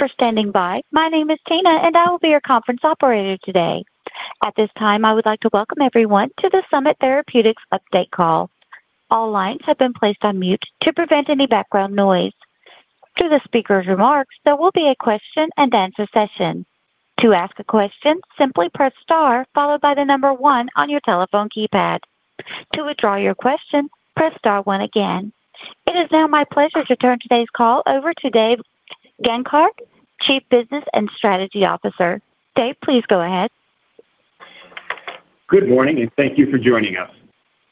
Thank you for standing by. My name is Tina, and I will be your conference operator today. At this time, I would like to welcome everyone to the Summit Therapeutics Update Call. All lines have been placed on mute to prevent any background noise. During the speaker's remarks, there will be a question-and-answer session. To ask a question, simply press star, followed by the number one on your telephone keypad. To withdraw your question, press star one again. It is now my pleasure to turn today's call over to Dave Gancarz, Chief Business and Strategy Officer. Dave, please go ahead. Good morning, and thank you for joining us.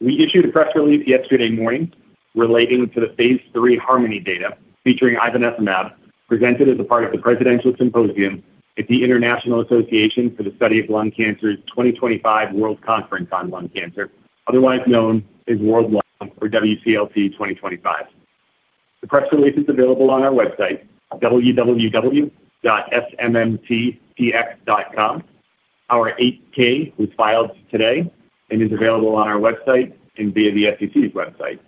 We issued a press release yesterday morning relating to the Phase III HARMONi data, featuring Ivonescimab, presented as a part of the Presidential Symposium at the International Association for the Study of Lung Cancer's 2025 World Conference on Lung Cancer, otherwise known as World Lung or WCLC 2025. The press release is available on our website, www.smmtpx.com. Our 8-K was filed today and is available on our website and via the SEC's website.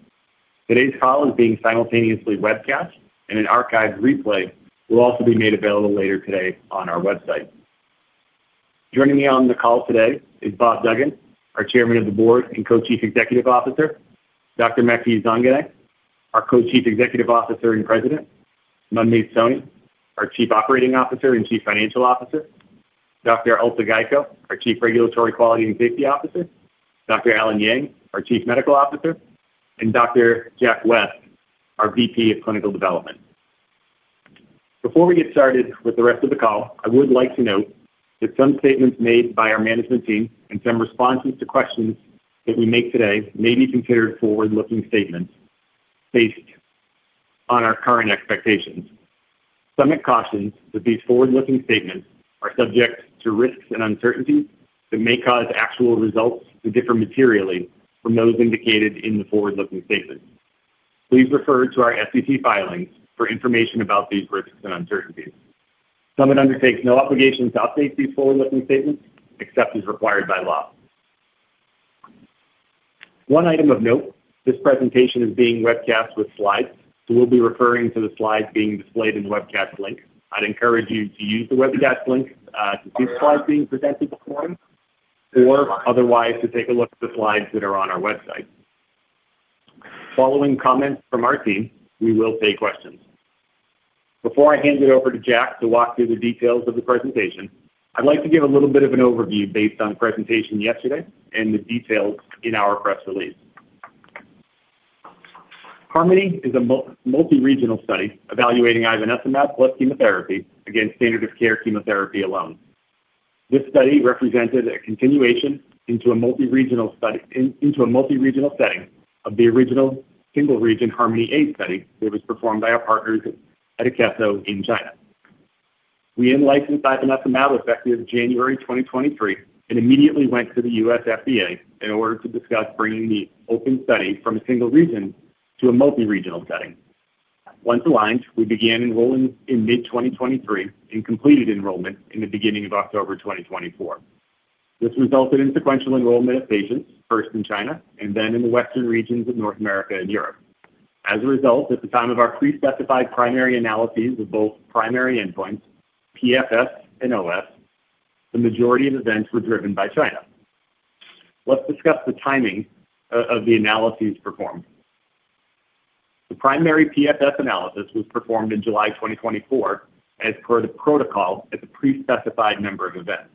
Today's call is being simultaneously webcast, and an archived replay will also be made available later today on our website. Joining me on the call today is Robert W. Duggan, our Chairman of the Board and Co-Chief Executive Officer; Dr. Maky Zanganeh, our Co-Chief Executive Officer and President; Manmeet Soni, our Chief Operating Officer and Chief Financial Officer; Dr. Urte Gayko, our Chief Regulatory Quality and Safety Officer; Dr. Allen Yang, our Chief Medical Officer; and Dr. Jack West, our VP of Clinical Development. Before we get started with the rest of the call, I would like to note that some statements made by our management team and some responses to questions that we make today may be considered forward-looking statements based on our current expectations. Summit cautions that these forward-looking statements are subject to risks and uncertainties that may cause actual results to differ materially from those indicated in the forward-looking statements. Please refer to our SEC filings for information about these risks and uncertainties. Summit undertakes no obligation to update these forward-looking statements except as required by law. One item of note, this presentation is being webcast with slides, so we'll be referring to the slides being displayed in the webcast link. I'd encourage you to use the webcast link to see the slides being presented this morning or otherwise to take a look at the slides that are on our website. Following comments from our team, we will take questions. Before I hand it over to Jack to walk through the details of the presentation, I'd like to give a little bit of an overview based on the presentation yesterday and the details in our press release. HARMONi is a multi-regional study evaluating Ivonescimab plus chemotherapy against standard-of-care chemotherapy alone. This study represented a continuation into a multi-regional study into a multi-regional setting of the original single-region HARMONi A study that was performed by our partners at Akeso. in China. We licensed Ivonescimab effective January 2023 and immediately went to the U.S. FDA in order to discuss bringing the open study from a single region to a multi-regional setting. Once aligned, we began enrolling in mid-2023 and completed enrollment in the beginning of October 2024. This resulted in sequential enrollment of patients, first in China and then in the western regions of North America and Europe. As a result, at the time of our pre-specified primary analyses of both primary endpoints, PFS and OS, the majority of events were driven by China. Let's discuss the timing of the analyses performed. The primary PFS analysis was performed in July 2024, as per the protocol at the pre-specified number of events.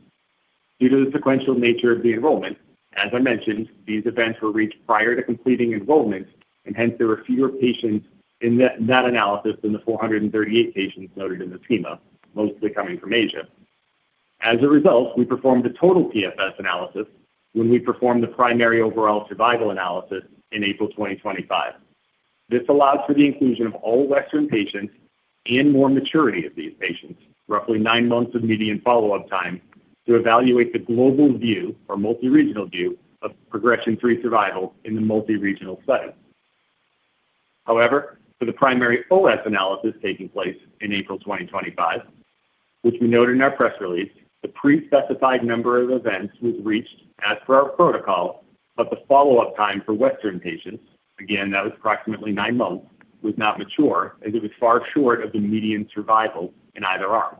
Due to the sequential nature of the enrollment, as I mentioned, these events were reached prior to completing enrollment, and hence there were fewer patients in that analysis than the 438 patients noted in the schema, mostly coming from Asia. As a result, we performed a total PFS analysis when we performed the primary overall survival analysis in April 2025. This allowed for the inclusion of all Western patients and more maturity of these patients, roughly nine months of median follow-up time, to evaluate the global view or multi-regional view of progression-free survival in the multi-regional study. However, for the primary OS analysis taking place in April 2025, which we noted in our press release, the pre-specified number of events was reached, as per our protocol, but the follow-up time for Western patients, again, that was approximately nine months, was not mature as it was far short of the median survival in either arm.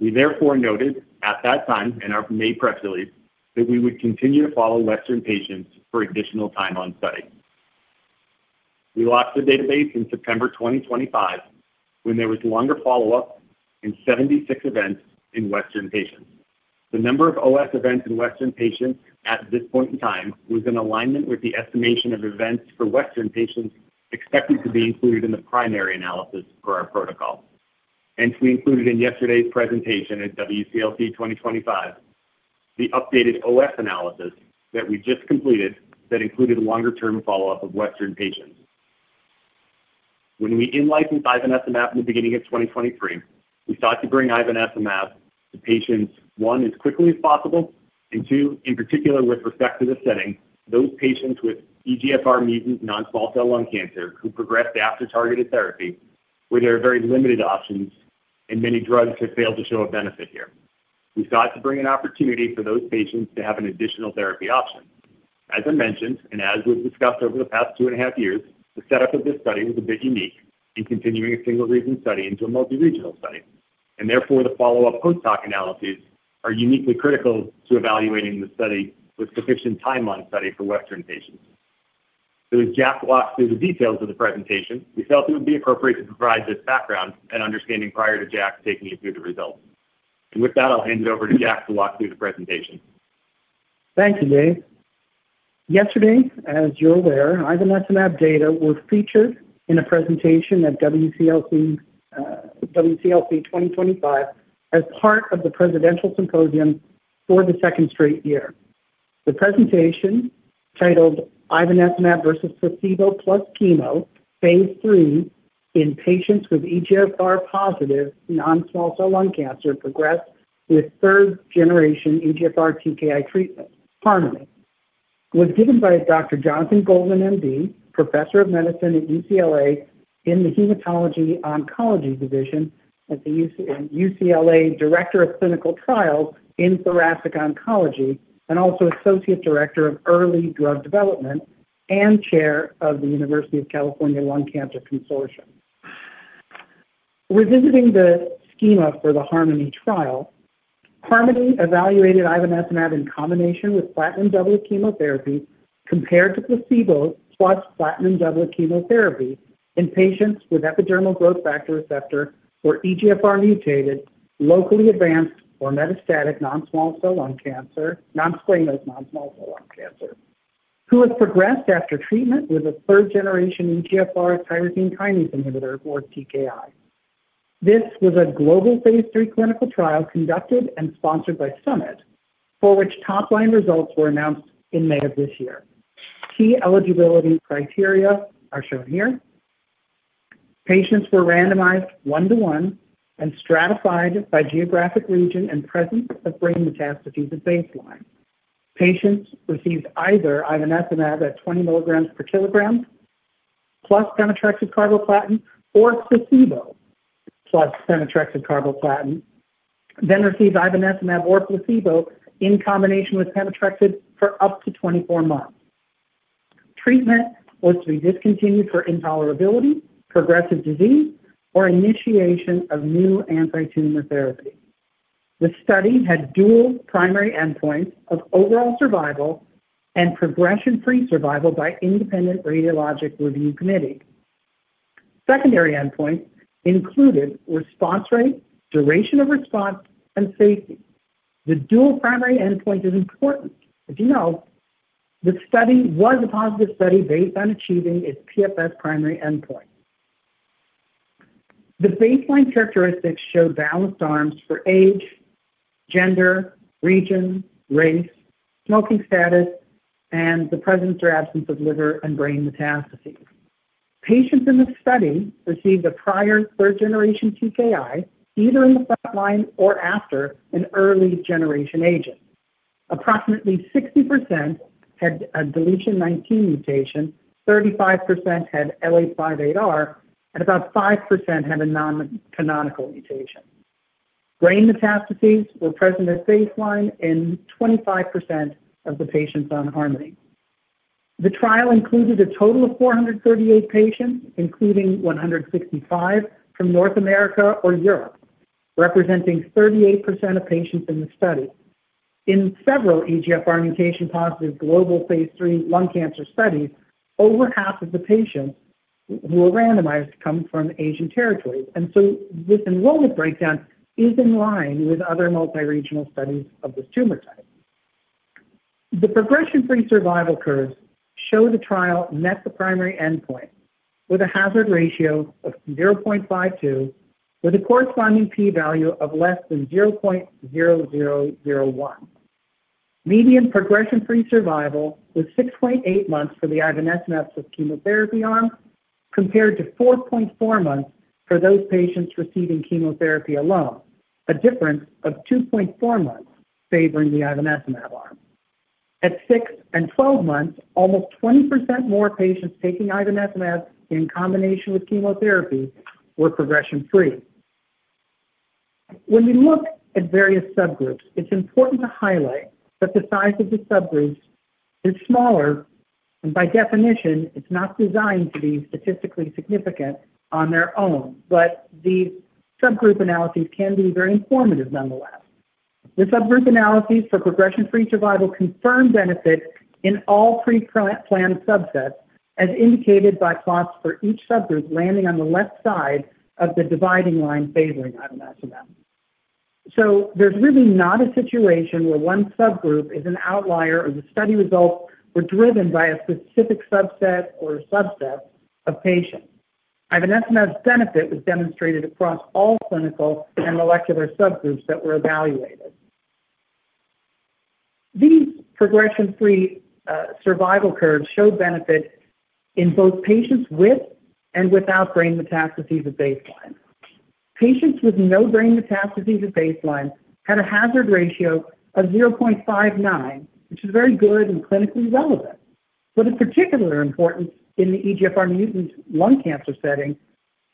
We therefore noted at that time in our May press release that we would continue to follow Western patients for additional time on study. We locked the database in September 2025 when there was longer follow-up and 76 events in Western patients. The number of OS events in Western patients at this point in time was in alignment with the estimation of events for Western patients expected to be included in the primary analysis per our protocol. We included in yesterday's presentation at WCLC 2025 the updated OS analysis that we just completed that included longer-term follow-up of Western patients. When we licensed Ivonescimab in the beginning of 2023, we sought to bring Ivonescimab to patients, one, as quickly as possible, and two, in particular with respect to the setting, those patients with EGFR-mutant non-small cell lung cancer who progressed after targeted therapy, where there are very limited options and many drugs have failed to show a benefit here. We sought to bring an opportunity for those patients to have an additional therapy option. As I mentioned, and as we've discussed over the past two and a half years, the setup of this study was a bit unique in continuing a single-region study into a multi-regional study. Therefore, the follow-up postdoc analyses are uniquely critical to evaluating the study with sufficient timeline study for Western patients. As Jack walks through the details of the presentation, we felt it would be appropriate to provide this background and understanding prior to Jack taking you through the results. With that, I'll hand it over to Jack to walk through the presentation. Thank you, Dave. Yesterday, as you're aware, Ivonescimab data was featured in a presentation at WCLC 2025 as part of the Presidential Symposium for the second straight year. The presentation titled Ivonescimab versus placebo plus chemo, Phase III in patients with EGFR-positive non-small cell lung cancer progressed with 3rd Generation EGFR-TKI treatment, HARMONi, was given by Dr. Jonathan Goldman, M.D., Professor of Medicine at UCLA in the Hematology Oncology Division at the UCLA Director of Clinical Trial in Thoracic Oncology and also Associate Director of Early Drug Development and Chair of the University of California Lung Cancer Consortium. Revisiting the schema for the HARMONi trial, HARMONi evaluated Ivonescimab in combination with platinum-doublet chemotherapy compared to placebo plus platinum-doublet chemotherapy in patients with epidermal growth factor receptor or EGFR-mutated locally advanced or metastatic non-small cell lung cancer, non-squamous non-small cell lung cancer, who has progressed after treatment with a 3rd Generation EGFR-tyrosine kinase inhibitor or TKI. This was a global Phase III clinical trial conducted and sponsored by Summit, for which top-line results were announced in May of this year. Key eligibility criteria are shown here. Patients were randomized one-to-one and stratified by geographic region and presence of brain metastases at baseline. Patients received either Ivonescimab at 20 mg/kg plus pemetrexed carboplatin or placebo plus pemetrexed carboplatin, then received Ivonescimab or placebo in combination with pemetrexed for up to 24 months. Treatment was to be discontinued for intolerability, progressive disease, or initiation of new anti-tumor therapy. The study had dual primary endpoints of overall survival and progression-free survival by independent radiologic review committee. Secondary endpoints included response rate, duration of response, and safety. The dual primary endpoint is important. As you know, the study was a positive study based on achieving its PFS primary endpoint. The baseline characteristics showed balanced arms for age, gender, region, race, smoking status, and the presence or absence of liver and brain metastases. Patients in the study received a prior 3rd Generation TKI either in the front line or after an early generation agent. Approximately 60% had a deletion 19 mutation, 35% had L858R, and about 5% had a non-canonical mutation. Brain metastases were present at baseline in 25% of the patients on HARMONi. The trial included a total of 438 patients, including 165 from North America or Europe, representing 38% of patients in the study. In several EGFR-mutation-positive global Phase III lung cancer studies, over half of the patients who were randomized come from Asian territories. This enrollment breakdown is in line with other multi-regional studies of this tumor type. The progression-free survival curves show the trial met the primary endpoint with a hazard ratio of 0.52, with a corresponding p-value of less than 0.0001. Median progression-free survival was 6.8 months for the Ivonescimab with chemotherapy arm compared to 4.4 months for those patients receiving chemotherapy alone, a difference of 2.4 months favoring the Ivonescimab arm. At 6 and 12 months, almost 20% more patients taking Ivonescimab in combination with chemotherapy were progression-free. When we look at various subgroups, it's important to highlight that the size of the subgroups, they're smaller, and by definition, it's not designed to be statistically significant on their own. The subgroup analyses can be very informative nonetheless. The subgroup analyses for progression-free survival confirm benefit in all pre-planned subsets, as indicated by plots for each subgroup landing on the left side of the dividing line favoring Ivonescimab. There is really not a situation where one subgroup is an outlier or the study results were driven by a specific subset or subset of patients. Ivonescimab's benefit was demonstrated across all clinical and molecular subgroups that were evaluated. The progression-free survival curves showed benefit in both patients with and without brain metastases at baseline. Patients with no brain metastases at baseline had a hazard ratio of 0.59, which is very good and clinically relevant. Of particular importance in the EGFR-mutant lung cancer setting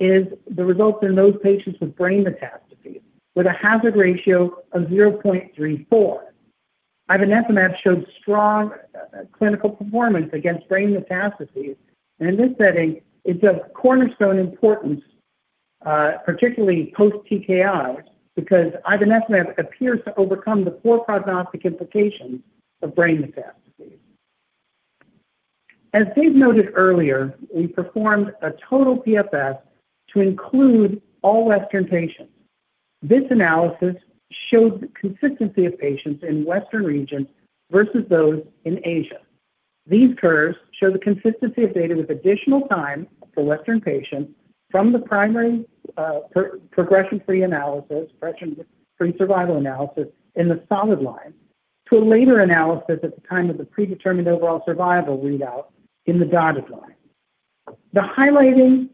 is the results in those patients with brain metastases with a hazard ratio of 0.34. Ivonescimab showed strong clinical performance against brain metastases. In this setting, it does cornerstone importance, particularly post-TKI, because Ivonescimab appears to overcome the poor prognostic implications of brain metastases. As Dave noted earlier, we performed a total PFS to include all Western patients. This analysis showed the consistency of patients in the Western region versus those in Asia. These curves show the consistency of data with additional time for Western patients from the primary progression-free survival analysis in the solid line to a later analysis at the time of the predetermined overall survival readout in the dotted line. The highlighting,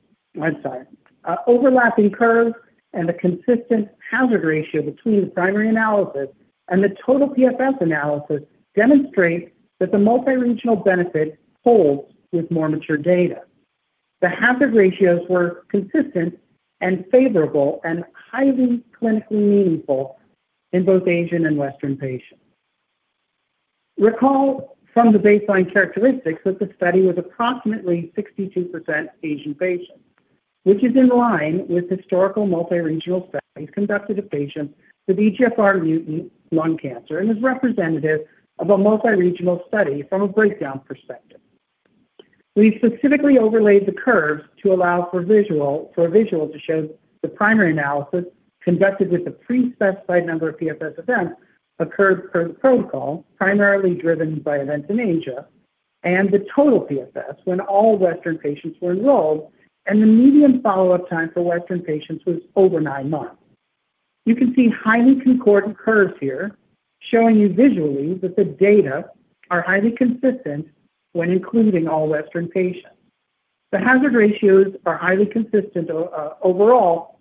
overlapping curves and the consistent hazard ratio between the primary analysis and the total PFS analysis demonstrate that the multi-regional benefit holds with more mature data. The hazard ratios were consistent and favorable and highly clinically meaningful in both Asian and Western patients. Recall from the baseline characteristics that the study is approximately 62% Asian patients, which is in line with historical multi-regional studies conducted in patients with EGFR-mutant lung cancer and is representative of a multi-regional study from a breakdown perspective. We specifically overlaid the curves to allow for visual to show the primary analysis conducted with a pre-specified number of PFS events occurred per the protocol, primarily driven by events in Asia, and the total PFS when all Western patients were involved. The median follow-up time for Western patients was over nine months. You can see highly concordant curves here showing you visually that the data are highly consistent when including all Western patients. The hazard ratios are highly consistent overall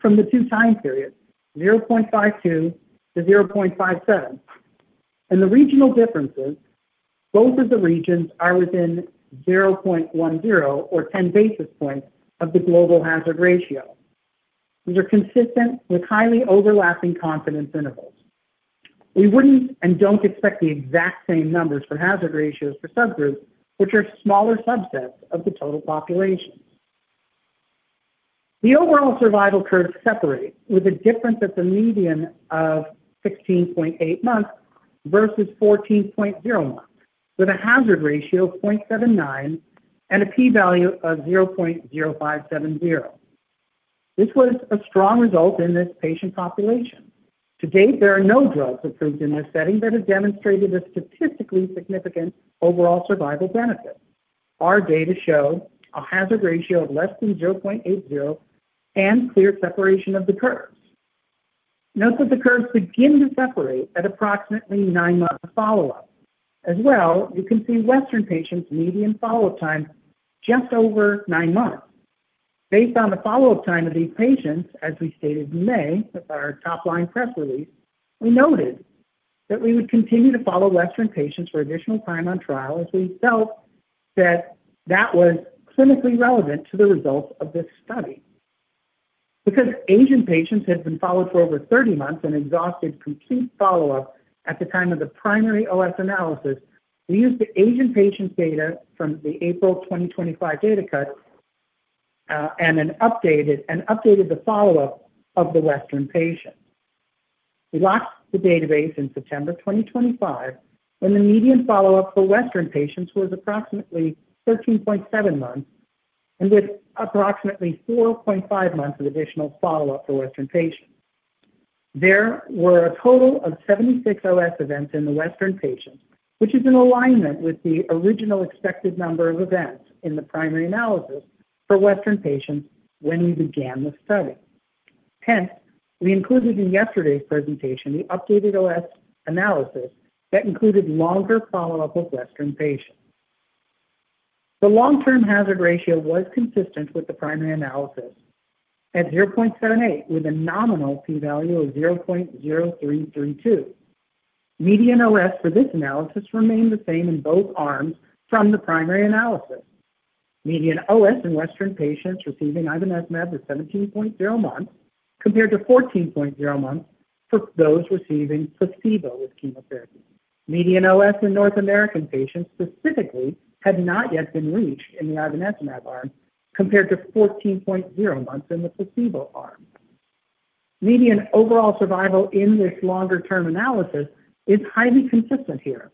from the two time periods, 0.52-0.57. The regional differences, both of the regions, are within 0.10 or 10 basis points of the global hazard ratio. These are consistent with highly overlapping confidence intervals. We wouldn't and don't expect the exact same numbers for hazard ratios for subgroups if there are smaller subsets of the total population. The overall survival curves separate with a difference at the median of 16.8 months versus 14.0 months, with a hazard ratio of 0.79 and a p-value of 0.0570. This was a strong result in this patient population. To date, there are no drugs approved in this setting that have demonstrated a statistically significant overall survival benefit. Our data show a hazard ratio of less than 0.80 and clear separation of the curves. Note that the curves begin to separate at approximately nine months of follow-up. You can see Western patients' median follow-up time just over nine months. Based on the follow-up time of these patients, as we stated in May at our top-line press release, we noted that we would continue to follow Western patients for additional time on trial as we felt that that was clinically relevant to the results of this study. Because Asian patients had been followed for over 30 months and exhausted complete follow-up at the time of the primary OS analysis, we used the Asian patients' data from the April 2025 data cut and then updated the follow-up of the Western patients. We locked the database in September 2025 when the median follow-up for Western patients was approximately 13.7 months and did approximately 4.5 months of additional follow-up for Western patients. There were a total of 76 OS events in the Western patients, which is in alignment with the original expected number of events in the primary analysis for Western patients when we began the study. Hence, we included in yesterday's presentation the updated OS analysis that included longer follow-up of Western patients. The long-term hazard ratio was consistent with the primary analysis at 0.78, with a nominal p-value of 0.0332. Median OS for this analysis remained the same in both arms from the primary analysis. Median OS in Western patients receiving Ivonescimab was 17.0 months compared to 14.0 months for those receiving placebo with chemotherapy. Median OS in North American patients specifically had not yet been reached in the Ivonescimab arm compared to 14.0 months in the placebo arm. Median overall survival in this longer-term analysis is highly consistent here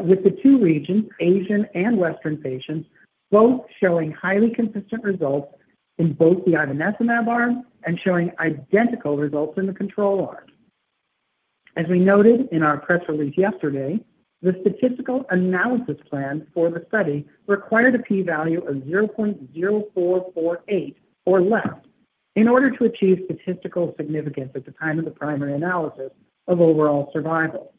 with the two regions, Asian and Western patients, both showing highly consistent results in both the Ivonescimab arm and showing identical results in the control arm. As we noted in our press release yesterday, the statistical analysis plan for the study required a p-value of 0.0448 or less in order to achieve statistical significance at the time of the primary analysis of overall survival.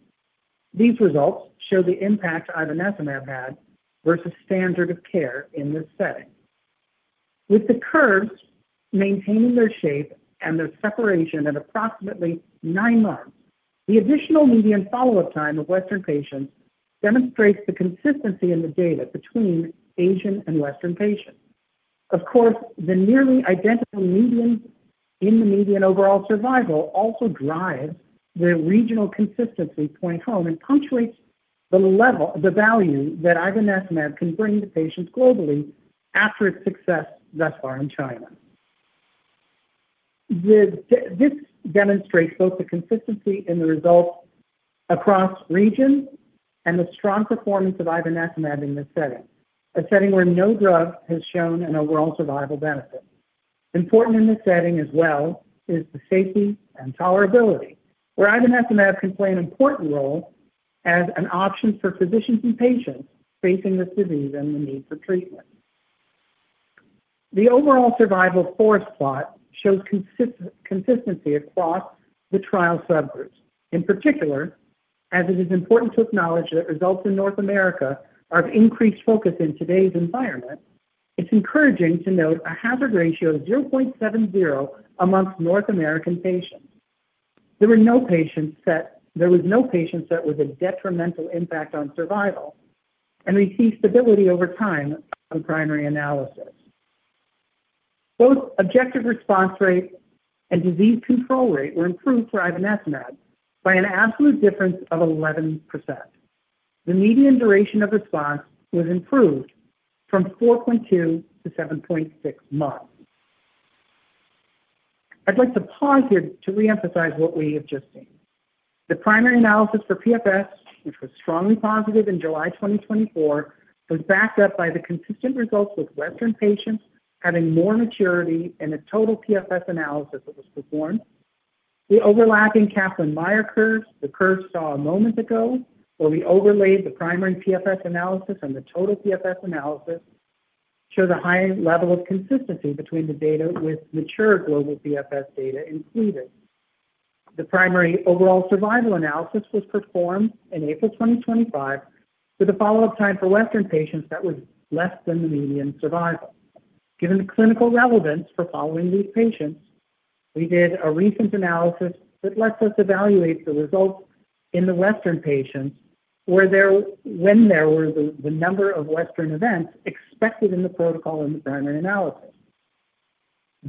These results show the impact Ivonescimab had versus standard of care in this setting. With the curves maintaining their shape and their separation at approximately nine months, the additional median follow-up time of Western patients demonstrates the consistency in the data between Asian and Western patients. Of course, the nearly identical median in the median overall survival also drives the regional consistency point home and punctuates the level of the value that Ivonescimab can bring to patients globally after its success thus far in China. This demonstrates both the consistency in the results across regions and the strong performance of Ivonescimab in this setting, a setting where no drug has shown an overall survival benefit. Important in this setting as well is the safety and tolerability, where Ivonescimab can play an important role as an option for physicians and patients facing this disease and the need for treatment. The overall survival forest plot shows consistency across the trial subgroups. In particular, as it is important to acknowledge that results in North America are of increased focus in today's environment, it's encouraging to note a hazard ratio of 0.70 amongst North American patients. There was no patient that had a detrimental impact on survival and received stability over time in the primary analysis. Both objective response rate and disease control rate were improved for Ivonescimab by an absolute difference of 11%. The median duration of response was improved from 4.2 to 7.6 months. I'd like to pause here to reemphasize what we have just seen. The primary analysis for PFS, which was strongly positive in July 2024, was backed up by the consistent results with Western patients having more maturity in a total PFS analysis that was performed. The overlapping Kaplan-Meier curve, the curve we saw a moment ago, where we overlaid the primary PFS analysis and the total PFS analysis, showed a higher level of consistency between the data with mature global PFS data in CVIS. The primary overall survival analysis was performed in April 2025 with a follow-up time for Western patients that was less than the median survival. Given the clinical relevance for following these patients, we did a recent analysis that lets us evaluate the results in the Western patients when there were the number of Western events expected in the protocol in the primary analysis.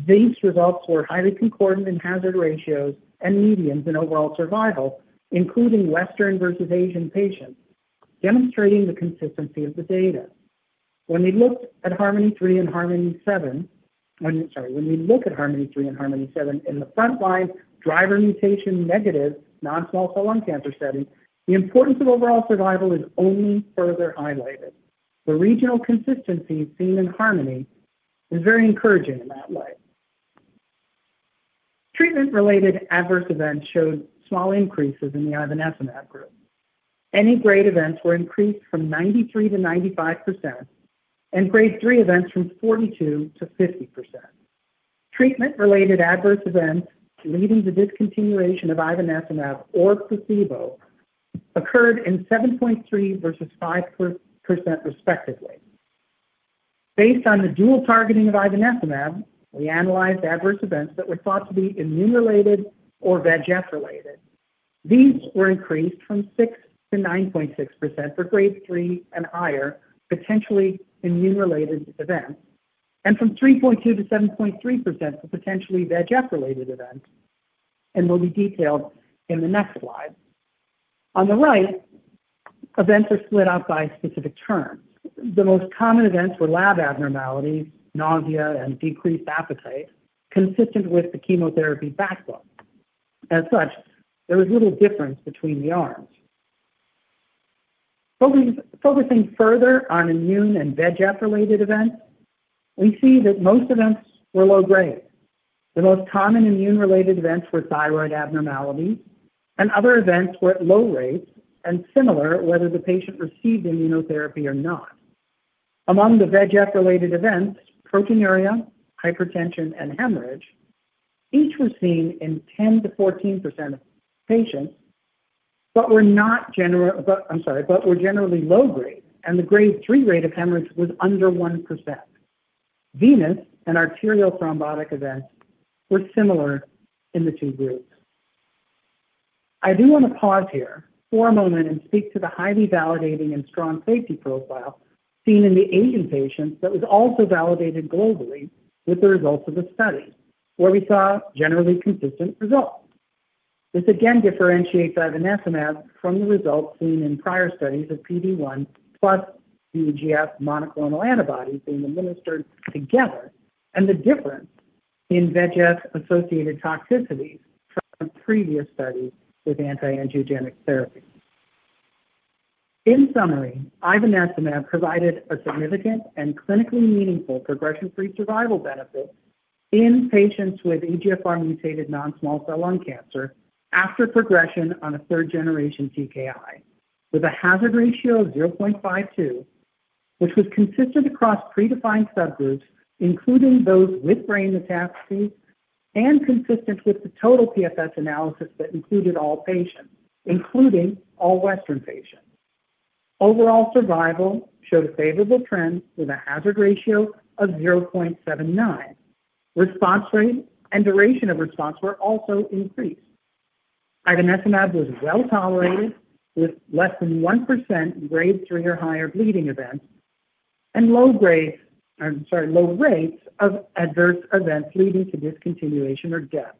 These results were highly concordant in hazard ratios and medians in overall survival, including Western versus Asian patients, demonstrating the consistency of the data. When we looked at HARMONi-3 and HARMONi-7, when we look at HARMONi-3 and HARMONi-7 in the front-line driver mutation-negative non-small cell lung cancer setting, the importance of overall survival is only further highlighted. The regional consistency seen in HARMONi is very encouraging in that way. Treatment-related adverse events showed small increases in the Ivonescimab group. Any grade events were increased from 93% to 95% and grade ≥3 events from 42% to 50%. Treatment-related adverse events leading to discontinuation of Ivonescimab or placebo occurred in 7.3% versus 5% respectively. Based on the dual targeting of Ivonescimab, we analyzed adverse events that were thought to be immune-related or VEGF-related. These were increased from 6% to 9.6% for grade ≥3 potentially immune-related events and from 3.2% to 7.3% for potentially VEGF-related events and will be detailed in the next slide. On the right, events are split up by a specific term. The most common events were lab abnormalities, nausea, and decreased appetite, consistent with the chemotherapy background. As such, there was little difference between the arms. Focusing further on immune and VEGF-related events, we see that most events were low-grade. The most common immune-related events were thyroid abnormalities, and other events were at low rates and similar whether the patient received immunotherapy or not. Among the VEGF-related events, proteinuria, hypertension, and hemorrhage each were seen in 10%-14% of patients but were generally low-grade, and the grade ≥3 rate of hemorrhage was under 1%. Venous and arterial thrombotic events were similar in the two groups. I do want to pause here for a moment and speak to the highly validating and strong safety profile seen in the Asian patients that was also validated globally with the results of the study, where we saw generally consistent results. This again differentiates Ivonescimab from the results seen in prior studies of PD-1 plus VEGF monoclonal antibodies being administered together and the difference in VEGF-associated toxicities from a previous study with antiangiogenic therapy. In summary, Ivonescimab provided a significant and clinically meaningful progression-free survival benefit in patients with EGFR-mutated non-small cell lung cancer after progression on a 3rd Generation EGFR-TKI with a hazard ratio of 0.52, which was consistent across predefined subgroups, including those with brain metastases and consistent with the total PFS analysis that included all patients, including all Western patients. Overall survival showed a favorable trend with a hazard ratio of 0.79. Response rate and duration of response were also increased. Ivonescimab was well tolerated with less than 1% grade ≥3 bleeding events and low rates of adverse events leading to discontinuation or death.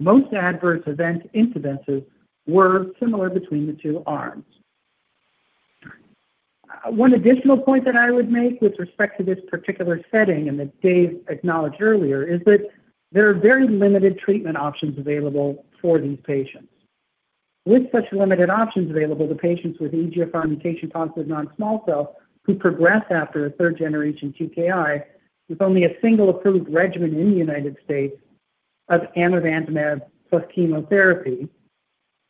Most adverse event incidences were similar between the two arms. One additional point that I would make with respect to this particular setting and that Dave acknowledged earlier is that there are very limited treatment options available for these patients. With such limited options available, the patients with EGFR-mutation-positive non-small cell who progress after a 3rd Generation TKI, if only a single approved regimen in the U.S. of amivantamab plus chemotherapy,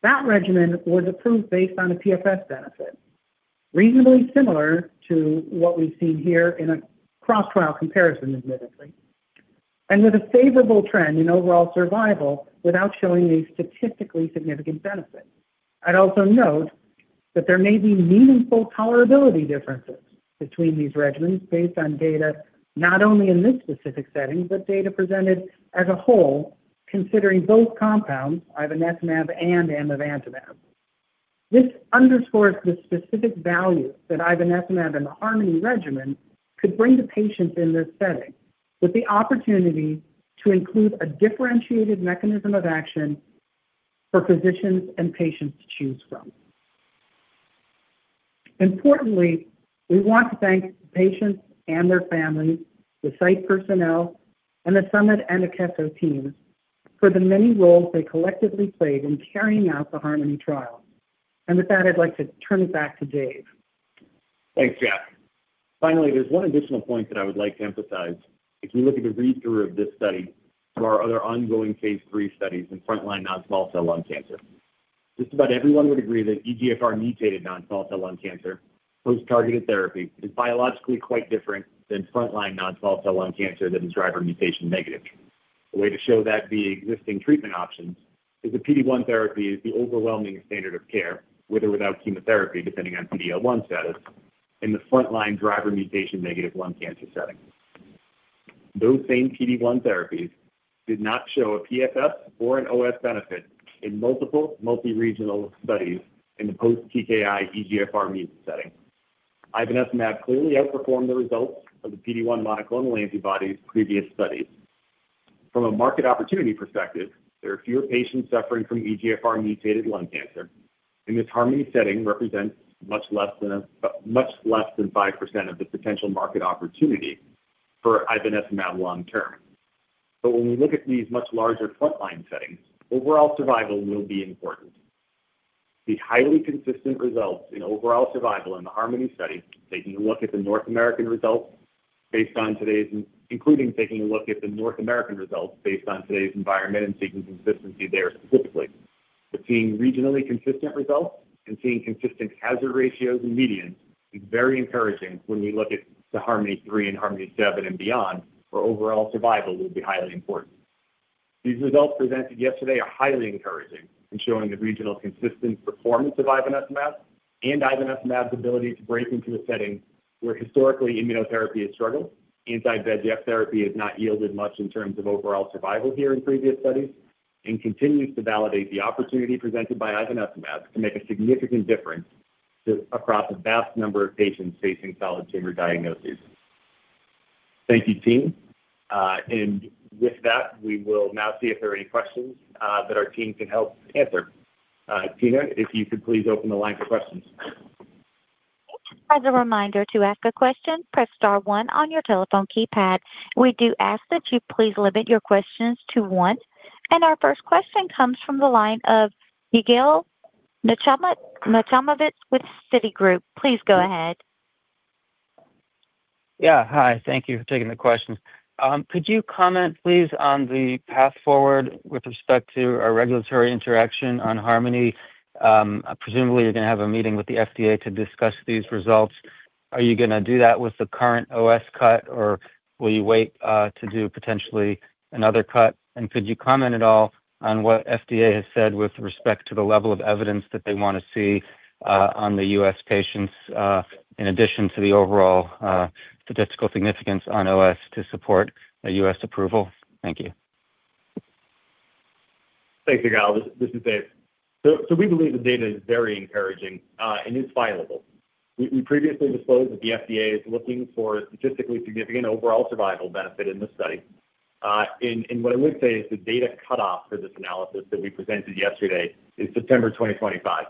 that regimen was approved based on a PFS benefit, reasonably similar to what we've seen here in a cross-trial comparison, admittedly, and with a favorable trend in overall survival without showing a statistically significant benefit. I'd also note that there may be meaningful tolerability differences between these regimens based on data, not only in this specific setting, but data presented as a whole, considering both compounds, Ivonescimab and amivantamab. This underscores the specific value that Ivonescimab and the HARMONi regimen could bring to patients in this setting with the opportunity to include a differentiated mechanism of action for physicians and patients to choose from. Importantly, we want to thank the patients and their families, the site personnel, and the Summit and Akeso team for the many roles they collectively played in carrying out the HARMONi trial. With that, I'd like to turn it back to Dave. Thanks, Jack. Finally, there's one additional point that I would like to emphasize if you look at the read-through of this study from our other ongoing Phase III studies in front-line non-small cell lung cancer. Just about everyone would agree that EGFR-mutated non-small cell lung cancer post-targeted therapy is biologically quite different than front-line non-small cell lung cancer that is driver mutation negative. A way to show that via existing treatment options is that PD-1 therapy is the overwhelming standard of care, with or without chemotherapy, depending on PD-L1 status in the front-line driver mutation negative lung cancer setting. Those same PD-1 therapies did not show a PFS or an OS benefit in multiple multi-regional studies in the post-TKI EGFR-mutant setting. Ivonescimab clearly outperformed the results of the PD-1 monoclonal antibodies in previous studies. From a market opportunity perspective, there are fewer patients suffering from EGFR-mutated lung cancer. In this HARMONi setting, it represents much less than 5% of the potential market opportunity for Ivonescimab long term. When we look at these much larger front-line settings, overall survival will be important. The highly consistent results in overall survival in the HARMONi study, taking a look at the North American results based on today's environment and seeking consistency there specifically, are notable. Seeing regionally consistent results and seeing consistent hazard ratios and medians is very encouraging when we look at the HARMONi-3 and HARMONi-7 and beyond, where overall survival will be highly important. These results presented yesterday are highly encouraging in showing the regional consistent performance of Ivonescimab and Ivonescimab's ability to break into a setting where historically immunotherapy has struggled. Anti-VEGF therapy has not yielded much in terms of overall survival here in previous studies and continues to validate the opportunity presented by Ivonescimab to make a significant difference across a vast number of patients facing solid tumor diagnoses. Thank you, team. With that, we will now see if there are any questions that our team can help answer. Tina, if you could please open the line for questions. As a reminder to ask a question, press star one on your telephone keypad. We do ask that you please limit your questions to one. Our first question comes from the line of [Miguel Natamovich] with Citigroup. Please go ahead. Yeah. Hi. Thank you for taking the question. Could you comment, please, on the path forward with respect to our regulatory interaction on HARMONi? Presumably, you're going to have a meeting with the FDA to discuss these results. Are you going to do that with the current OS cut, or will you wait to do potentially another cut? Could you comment at all on what FDA has said with respect to the level of evidence that they want to see on the U.S. patients, in addition to the overall statistical significance on OS to support a U.S. approval? Thank you. Thanks, Miguel. This is Dave. We believe the data is very encouraging, and it's viable. We previously disclosed that the FDA is looking for statistically significant overall survival benefit in this study. What I would say is the data cutoff for this analysis that we presented yesterday is September 2025,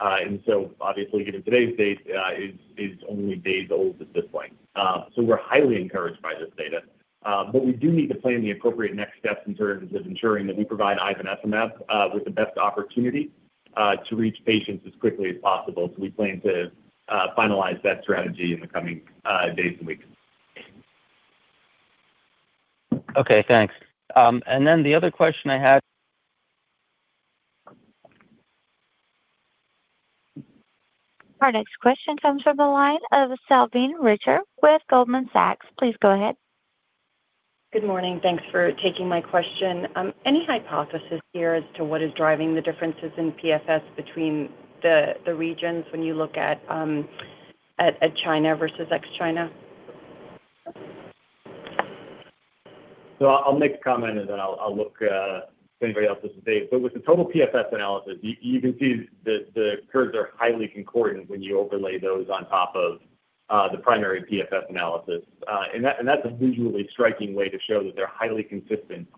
and so obviously, given today's date, it is only days old at this point. We're highly encouraged by this data, but we do need to plan the appropriate next steps in terms of ensuring that we provide Ivonescimab with the best opportunity to reach patients as quickly as possible. We plan to finalize that strategy in the coming days and weeks. Okay, thanks. Then the other question I had. Our next question comes from the line of Salveen Richard with Goldman Sachs. Please go ahead. Good morning. Thanks for taking my question. Any hypothesis here as to what is driving the differences in PFS between the regions when you look at China versus ex-China? I'll make the comment, and then I'll look at things I got for some data. With the total PFS analysis, you can see that the curves are highly concordant when you overlay those on top of the primary PFS analysis. That's a visually striking way to show that they're highly consistent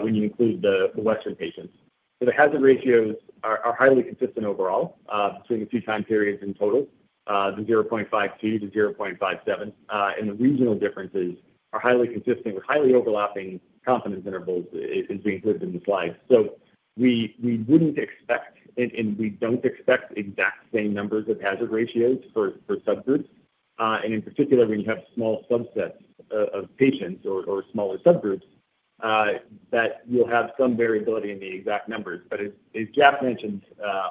when you include the Western patients. The hazard ratios are highly consistent overall between the two time periods in total, the 0.52-0.57. The regional differences are highly consistent with highly overlapping confidence intervals as being included in the slides. We wouldn't expect, and we don't expect the exact same numbers of hazard ratios for subgroups. In particular, when you have small subsets of patients or smaller subgroups, you'll have some variability in the exact numbers. As Jack mentioned,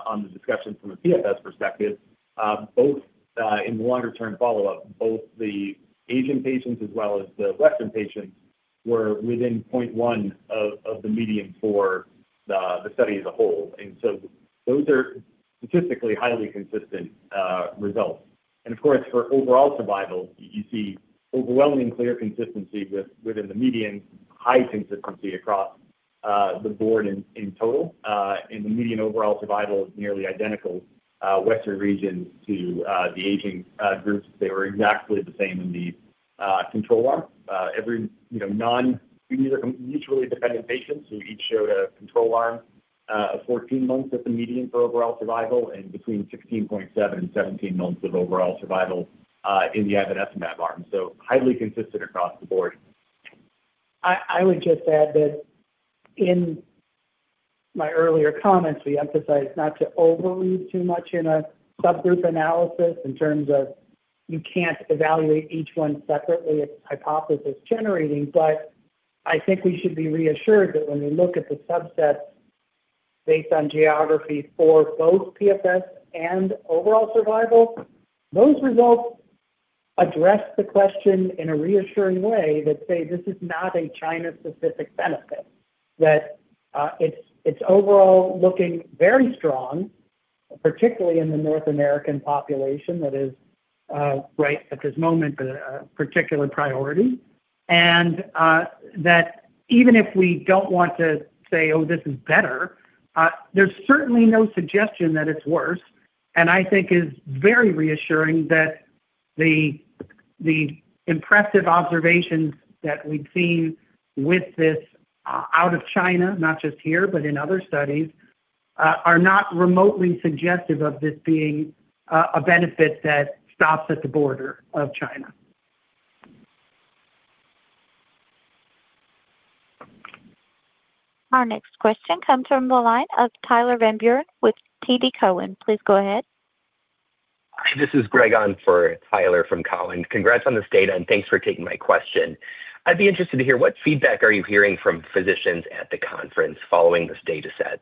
on the discussion from a PFS perspective, both in the longer-term follow-up, both the Asian patients as well as the Western patients were within 0.1 of the median for the study as a whole. Those are statistically highly consistent results. Of course, for overall survival, you see overwhelming clear consistency within the median, high consistency across the board in total. The median overall survival is nearly identical, Western region to the Asian groups. They were exactly the same in the control arm. Every, you know, non-these are mutually dependent patients. They each showed a control arm of 14 months at the median for overall survival and between 16.7 and 17 months of overall survival in the Ivonescimab arm. Highly consistent across the board. I would just add that in my earlier comments, we emphasize not to overread too much in a subgroup analysis in terms of you can't evaluate each one separately if hypothesis generating. I think we should be reassured that when we look at the subsets based on geography for both PFS and overall survival, those results address the question in a reassuring way that, say, this is not a China-specific benefit, that it's overall looking very strong, particularly in the North American population that is, right at this moment, a particular priority. Even if we don't want to say, "Oh, this is better," there's certainly no suggestion that it's worse. I think it's very reassuring that the impressive observations that we've seen with this, out of China, not just here, but in other studies, are not remotely suggestive of this being a benefit that stops at the border of China. Our next question comes from the line of Tyler Van Buren with TD Cowen. Please go ahead. Hi. This is Greg on for Tyler from Cowen. Congrats on this data, and thanks for taking my question. I'd be interested to hear what feedback are you hearing from physicians at the conference following this dataset?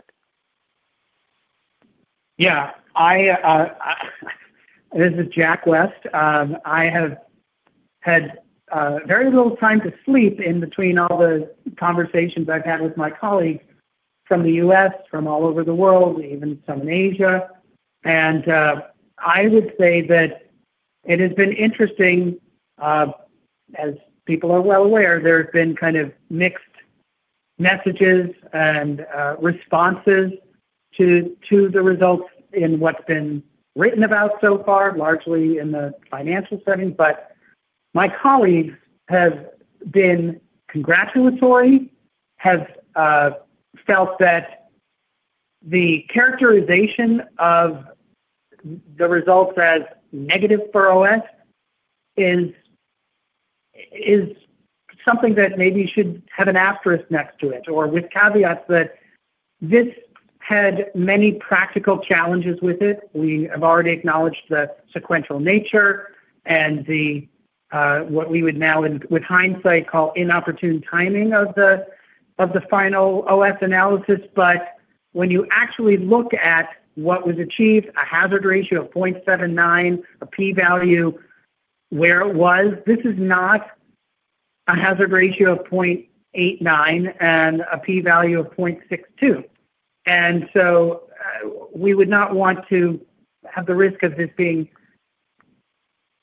Yeah. This is Jack West. I have had very little time to sleep in between all the conversations I've had with my colleagues from the U.S., from all over the world, even some in Asia. I would say that it has been interesting. As people are well aware, there have been kind of mixed messages and responses to the results in what's been written about so far, largely in the financial setting. My colleagues have been congratulatory, have felt that the characterization of the results as negative for OS is something that maybe you should have an asterisk next to it or with caveats that this had many practical challenges with it. We have already acknowledged the sequential nature and, what we would now, with hindsight, call inopportune timing of the final OS analysis. When you actually look at what was achieved, a hazard ratio of 0.79, a p-value where it was, this is not a hazard ratio of 0.89 and a p-value of 0.62. We would not want to have the risk of this being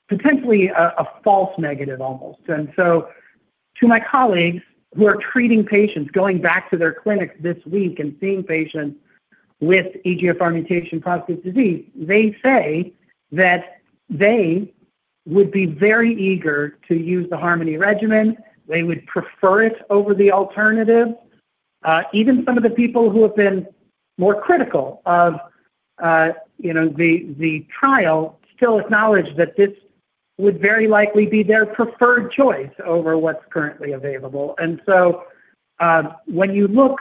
potentially a false negative almost. To my colleagues who are treating patients, going back to their clinics this week and seeing patients with EGFR-mutation-positive disease, they say that they would be very eager to use the HARMONi regimen. They would prefer it over the alternative. Even some of the people who have been more critical of the trial still acknowledge that this would very likely be their preferred choice over what's currently available. When you look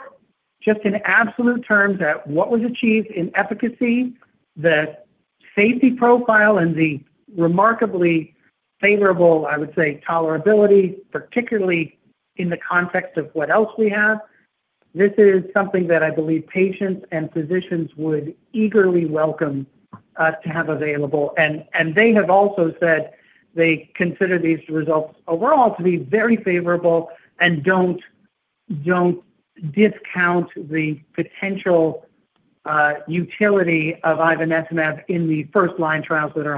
just in absolute terms at what was achieved in efficacy, the safety profile, and the remarkably favorable, I would say, tolerability, particularly in the context of what else we have, this is something that I believe patients and physicians would eagerly welcome us to have available. They have also said they consider these results overall to be very favorable and don't discount the potential utility of Ivonescimab in the first-line trials that are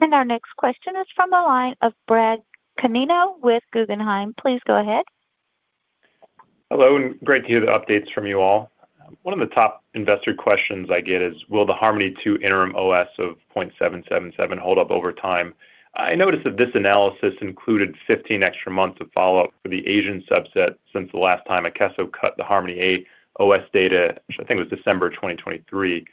ongoing. Our next question is from the line of Brad Canino with Guggenheim. Please go ahead. Hello, and great to hear the updates from you all. One of the top investor questions I get is, will the HARMONi-2 interim OS of 0.777 hold up over time? I noticed that this analysis included 15 extra months of follow-up for the Asian subset since the last time Akeso cut the HARMONi-A OS data, which I think was December 2023.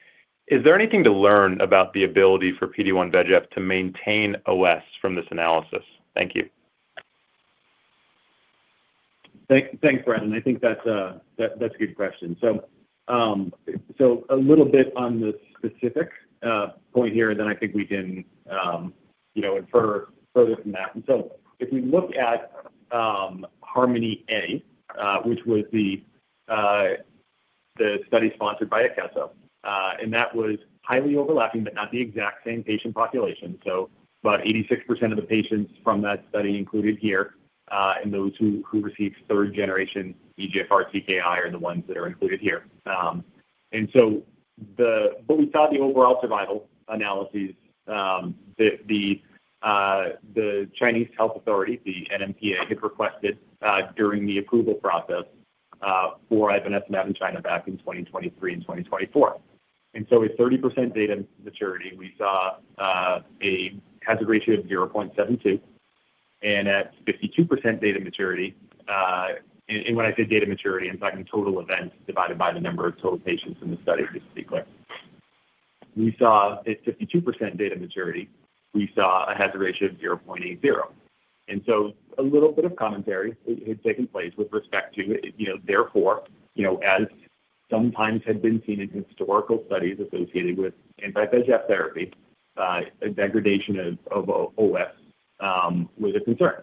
Is there anything to learn about the ability for PD-1 VEGF to maintain OS from this analysis? Thank you. Thanks, Brad. I think that's a good question. A little bit on the specific point here, and then I think we can infer further from that. If we look at HARMONi A, which was the study sponsored by Akeso, that was highly overlapping but not the exact same patient population. About 86% of the patients from that study are included here, and those who received 3rd Generation EGFR-TKI are the ones that are included here. We saw the overall survival analyses that the Chinese Health Authority, the NMPA, had requested during the approval process for Ivonescimab in China back in 2023 and 2024. With 30% data maturity, we saw a hazard ratio of 0.72. At 52% data maturity, and when I say data maturity, I'm talking total events divided by the number of total patients in the study, just to be clear, we saw at 52% data maturity a hazard ratio of 0.80. A little bit of commentary had taken place with respect to, you know, therefore, as sometimes had been seen in historical studies associated with anti-VEGF therapy, a degradation of OS was a concern.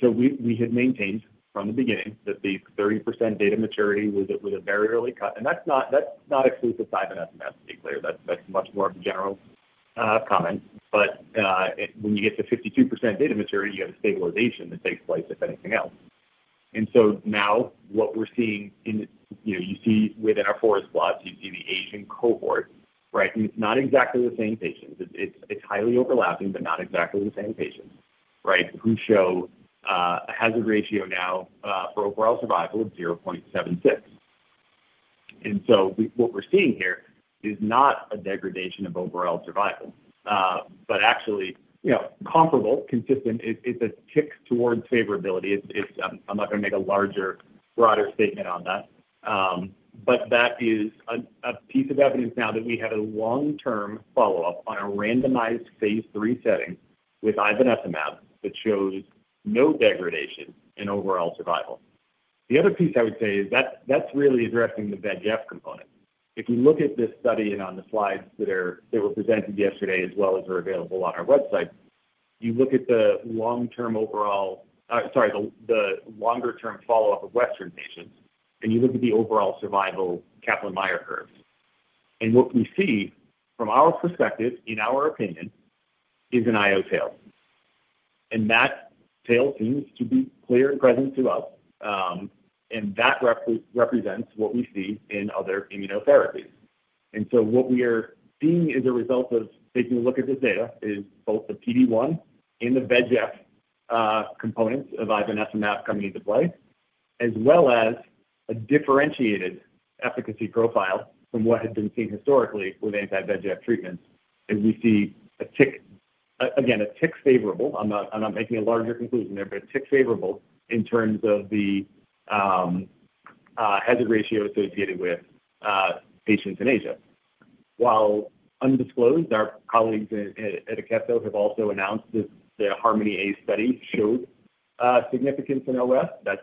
We had maintained from the beginning that the 30% data maturity was a very early cut. That's not exclusive to Ivonescimab, being clear. That's much more of a general comment. When you get to 52% data maturity, you have a stabilization that takes place if anything else. Now what we're seeing in the, you know, you see within our forest plot in the Asian cohort, not exactly the same patients, it's highly overlapping, but not exactly the same patients, who show a hazard ratio now for overall survival of 0.76. What we're seeing here is not a degradation of overall survival, but actually, you know, comparable, consistent. It's a tick towards favorability. I'm not going to make a larger, broader statement on that. That is a piece of evidence now that we have a long-term follow-up on a randomized Phase III setting with Ivonescimab that shows no degradation in overall survival. The other piece I would say is that that's really addressing the VEGF component. If you look at this study and on the slides that were presented yesterday as well as are available on our website, you look at the longer-term follow-up of Western patients, and you look at the overall survival Kaplan-Meier curves. What we see from our perspective, in our opinion, is an IO tail. That tail seems to be clear and present throughout. That represents what we see in other immunotherapies. What we are seeing as a result of taking a look at this data is both the PD-1 and the VEGF components of Ivonescimab coming into play, as well as a differentiated efficacy profile from what had been seen historically with anti-VEGF treatments. We see, again, a tick favorable. I'm not making a larger conclusion there, but a tick favorable in terms of the hazard ratio associated with patients in Asia. While undisclosed, our colleagues at Akeso have also announced that the HARMONi A study showed significance in OS. That's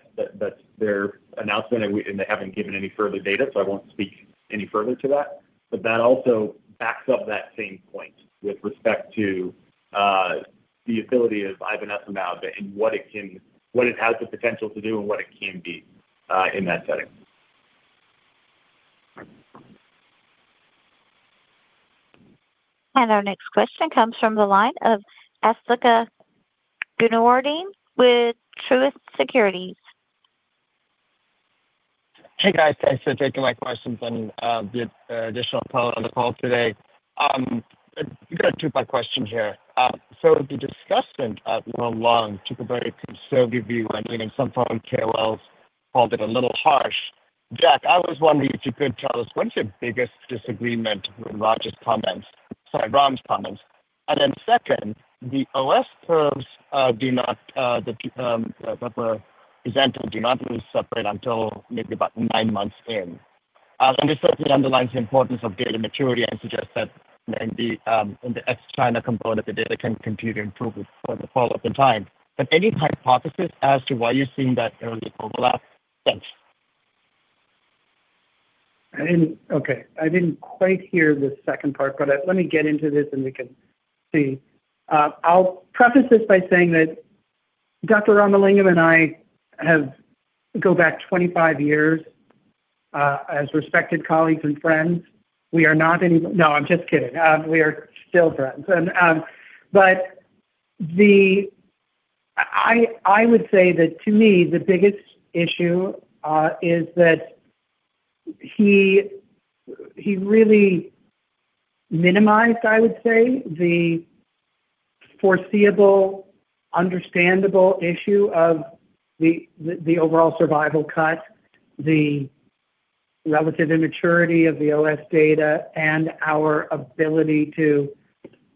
their announcement, and they haven't given any further data, so I won't speak any further to that. That also backs up that same point with respect to the utility of Ivonescimab and what it has, the potential to do, and what it can be in that setting. Our next question comes from the line of Asthika Goonewardene with Truist Securities. Hey, guys. Thanks for taking my questions and the additional part of the call today. I've got a two-part question here. The discussion of Long Long took a break, so give you my meaning. Some from KOLs called it a little harsh. Jack, I was wondering if you could tell us what is your biggest disagreement with Ram's comments? The OS curves do not, the PEVRA event do not really separate until maybe about nine months in. This certainly underlines the importance of data maturity and suggests that maybe in the ex-China component, the data can continue to improve with further follow-up in time. Any hypothesis as to why you're seeing that early overlap? Okay. I didn't quite hear the second part, but let me get into this and we can see. I'll preface this by saying that Dr. Ramalingam and I go back 25 years as respected colleagues and friends. We are not any, no, I'm just kidding. We are still friends. I would say that to me, the biggest issue is that he really minimized, I would say, the foreseeable, understandable issue of the overall survival cut, the relative immaturity of the OS data, and our ability to,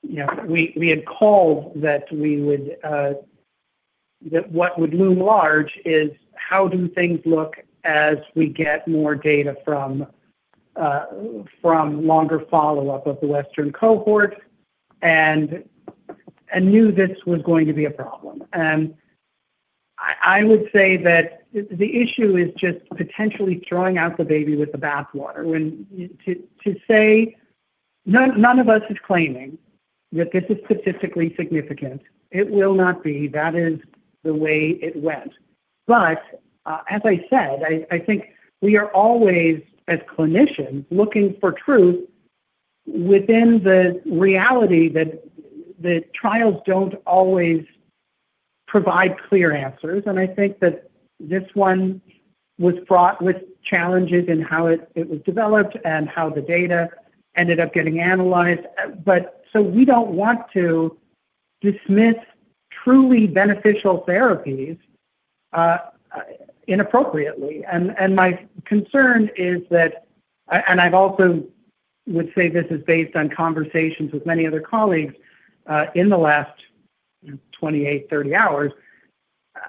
you know, we had called that we would, that what would loom large is how do things look as we get more data from longer follow-up of the Western cohorts? I knew this was going to be a problem. I would say that the issue is just potentially throwing out the baby with the bathwater. None of us is claiming that this is statistically significant. It will not be. That is the way it went. As I said, I think we are always, as clinicians, looking for truth within the reality that the trials don't always provide clear answers. I think that this one was fraught with challenges in how it was developed and how the data ended up getting analyzed. We don't want to dismiss truly beneficial therapies inappropriately. My concern is that, and I also would say this is based on conversations with many other colleagues in the last, you know, 28, 30 hours,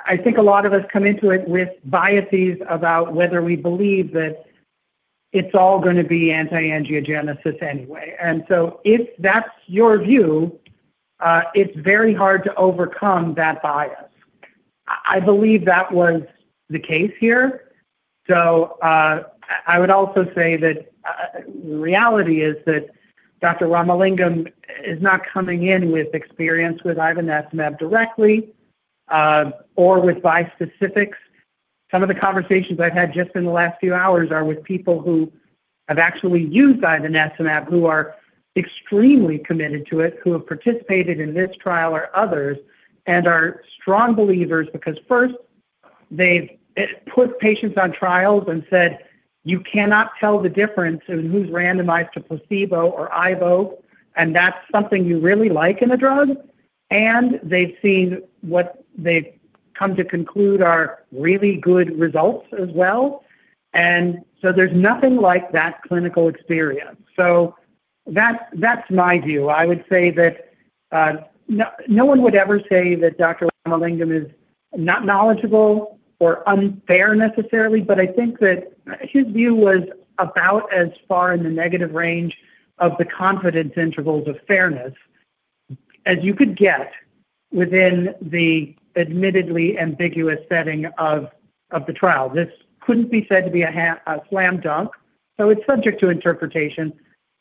I think a lot of us come into it with biases about whether we believe that it's all going to be anti-angiogenesis anyway. If that's your view, it's very hard to overcome that bias. I believe that was the case here. I would also say that the reality is that Dr. Ramalingam is not coming in with experience with Ivonescimab directly or with bias specifics. Some of the conversations I've had just in the last few hours are with people who have actually used Ivonescimab, who are extremely committed to it, who have participated in this trial or others, and are strong believers because first, they've put patients on trials and said, "You cannot tell the difference in who's randomized to placebo or Ivo, and that's something you really like in a drug." They've seen what they've come to conclude are really good results as well. There's nothing like that clinical experience. That's my view. I would say that no one would ever say that Dr.Ramalingam is not knowledgeable or unfair necessarily, but I think that his view was about as far in the negative range of the confidence intervals of fairness as you could get within the admittedly ambiguous setting of the trial. This couldn't be said to be a slam dunk, so it's subject to interpretation.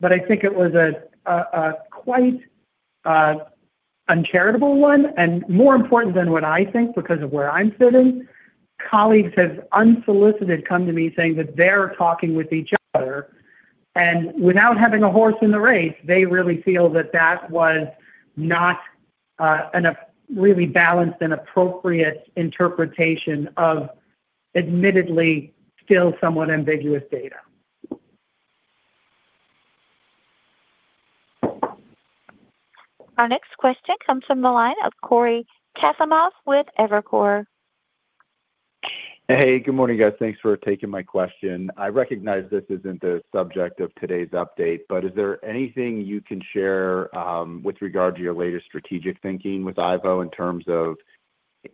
I think it was a quite uncharitable one, and more important than what I think because of where I'm sitting. Colleagues have unsolicited come to me saying that they're talking with each other. Without having a horse in the race, they really feel that that was not a really balanced and appropriate interpretation of admittedly still somewhat ambiguous data. Our next question comes from the line of Corey Kasimov with Evercore. Hey, good morning, guys. Thanks for taking my question. I recognize this isn't the subject of today's update, but is there anything you can share with regard to your latest strategic thinking with Ivo in terms of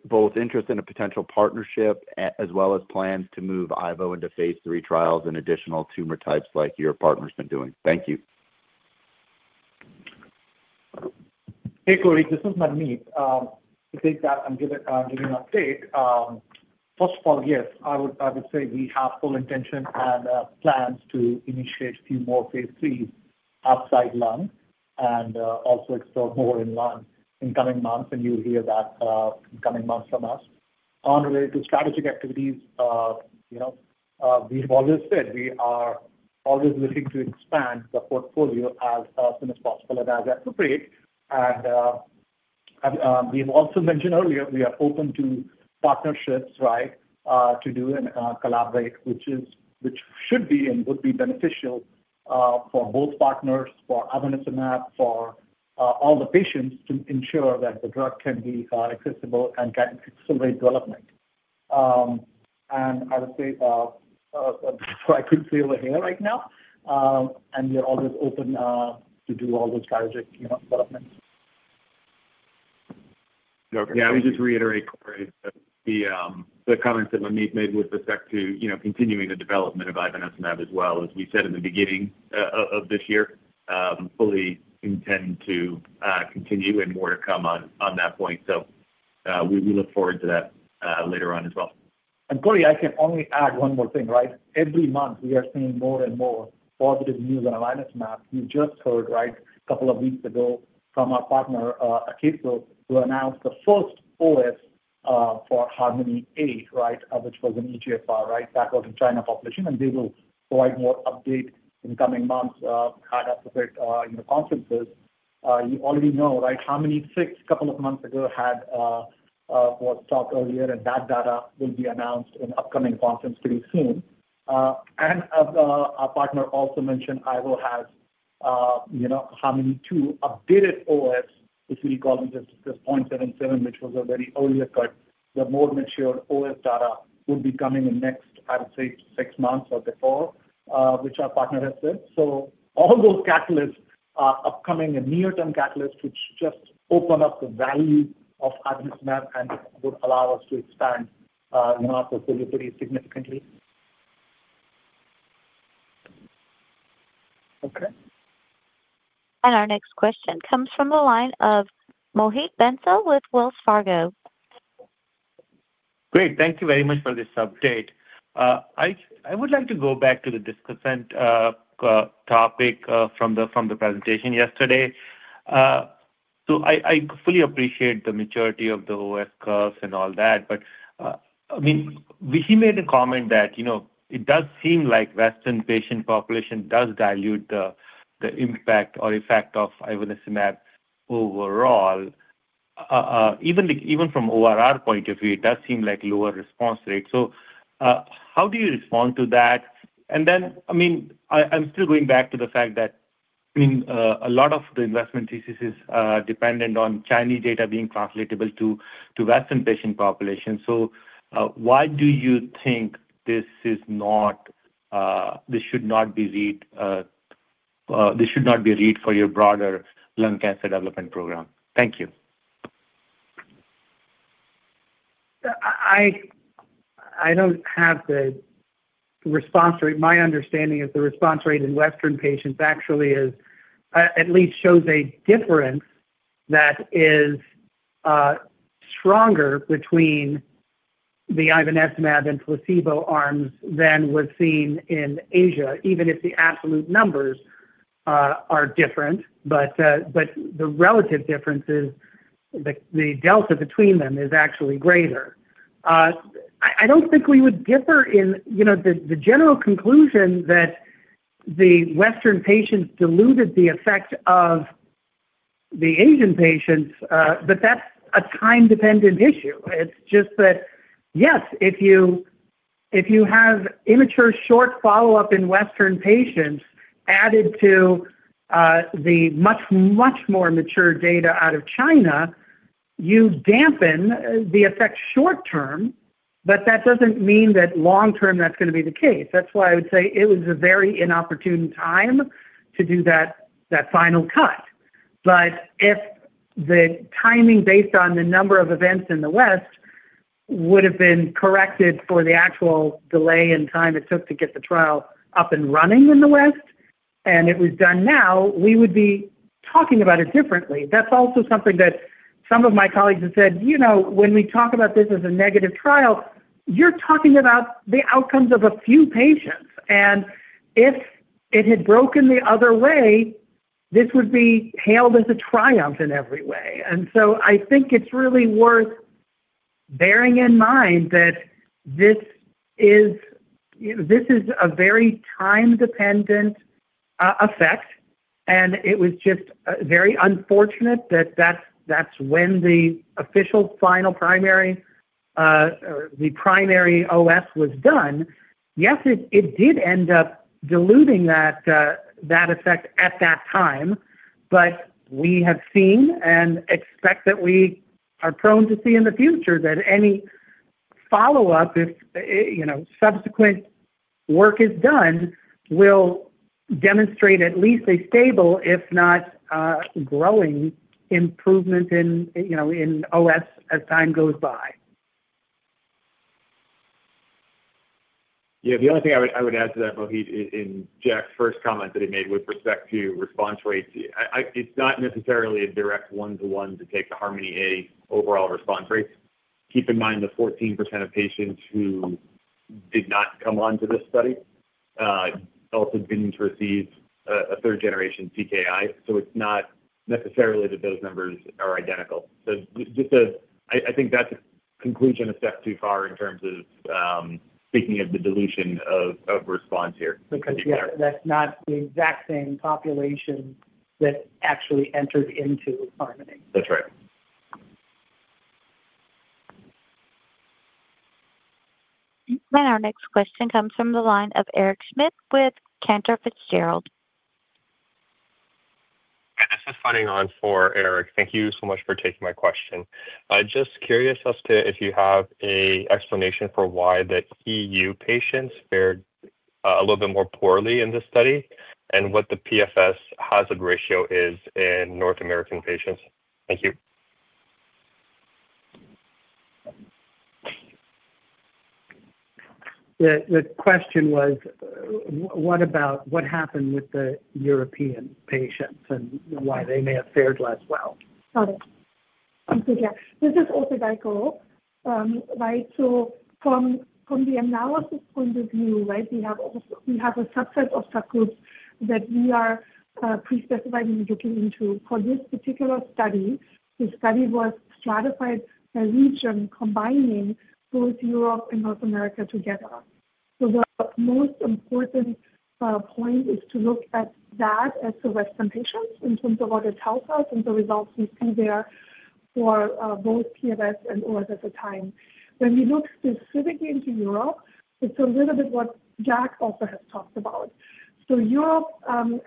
both interest in a potential partnership as well as plans to move Ivo into Phase III trials and additional tumor types like your partner's been doing? Thank you. Hey, Corey. This is Manmeet. I think that I'm giving an update. First of all, yes, I would say we have full intention and plans to initiate a few more Phase III outside lung and also explore more in lung in the coming months, and you will hear that in the coming months from us. Unrelated to strategic activities, you know, we have always said we are always looking to expand the portfolio as soon as possible and as appropriate. We have also mentioned earlier, we are open to partnerships, right, to do and collaborate, which is, which should be and would be beneficial for both partners, for Ivonescimab, for all the patients to ensure that the drugs can be accessible and can accelerate development. I would say, I can say over here right now, we are always open to do all those strategic developments. Yeah. Let me just reiterate, Corey, the comments that Manmeet made with respect to, you know, continuing the development of Ivonescimab as well. As we said in the beginning of this year, fully intend to continue and more to come on that point. We look forward to that later on as well. Corey, I can only add one more thing, right? Every month, we are seeing more and more positive news on Ivonescimab. You just heard, right, a couple of weeks ago from our partner, Akeso, who announced the first OS for HARMONi A, right, which was an EGFR, right, that was in China population, and they will provide more updates in the coming months. I have to say in the conferences, you already know, right, HARMONi-6 a couple of months ago had what's up earlier, and that data will be announced in the upcoming conference to be seen. As our partner also mentioned, I will have, you know, HARMONi-2 updated OS, which we call it the 0.77, which was a very earlier cut. The more mature OS data would be coming in the next, I would say, six months or before, which our partner has said. All those catalysts are upcoming and near-term catalysts, which just open up the value of Ivonescimab and would allow us to expand, you know, our portfolio pretty significantly. Okay. Our next question comes from the line of Mohit Bansal with Wells Fargo. Great. Thank you very much for this update. I would like to go back to the discussion topic from the presentation yesterday. I fully appreciate the maturity of the OS cuts and all that. He made a comment that, you know, it does seem like the Western patient population does dilute the impact or effect of Ivonescimab overall. Even from ORR point of view, it does seem like lower response rates. How do you respond to that? I'm still going back to the fact that a lot of the investment thesis is dependent on Chinese data being translatable to the Western patient population. Why do you think this is not, this should not be a read for your broader lung cancer development program? Thank you. I don't have the response rate. My understanding is the response rate in Western patients actually at least shows a difference that is stronger between the Ivonescimab and placebo arms than was seen in Asia, even if the absolute numbers are different. The relative difference, the delta between them, is actually greater. I don't think we would differ in the general conclusion that the Western patients diluted the effect of the Asian patients, but that's a time-dependent issue. It's just that, yes, if you have immature short follow-up in Western patients added to the much, much more mature data out of China, you dampen the effect short term. That doesn't mean that long term, that's going to be the case. That's why I would say it was a very inopportune time to do that final cut. If the timing based on the number of events in the West would have been corrected for the actual delay in time it took to get the trial up and running in the West, and it was done now, we would be talking about it differently. That's also something that some of my colleagues have said. When we talk about this as a negative trial, you're talking about the outcomes of a few patients. If it had broken the other way, this would be hailed as a triumph in every way. I think it's really worth bearing in mind that this is a very time-dependent effect. It was just very unfortunate that that's when the official final primary, the primary OS, was done. Yes, it did end up diluting that effect at that time, but we have seen and expect that we are prone to see in the future that any follow-up, if subsequent work is done, will demonstrate at least a stable, if not growing, improvement in OS as time goes by. Yeah. The only thing I would add to that, Mohit, in Jack's first comment that he made with respect to response rates, it's not necessarily a direct one-to-one to take the HARMONi A overall response rates. Keep in mind the 14% of patients who did not come on to this study also didn't receive a 3rd Generation TKI. It's not necessarily that those numbers are identical. I think that's a conclusion a step too far in terms of speaking of the dilution of response here. Because, yeah, that's not the exact same population that actually entered into HARMONi. That's right. Our next question comes from the line of Eric Schmidt with Cantor Fitzgerald. Thank you so much for taking my question. I'm just curious as to if you have an explanation for why the EU patients fared a little bit more poorly in this study, and what the PFS hazard ratio is in North American patients. Thank you. Your question was, what about what happened with the European patients and why they may have fared less well? Got it. Yeah. This is also by Colo, right? From the analysis point of view, we have a subset of subgroups that we are pre-specified in looking into. For this particular study, the study was stratified by region, combining both Europe and North America together. The most important point is to look at that as the Western patients in terms of what it tells us and the results we see there for both PFS and OS at the time. When we look specifically into Europe, it's a little bit what Jack also has talked about. Europe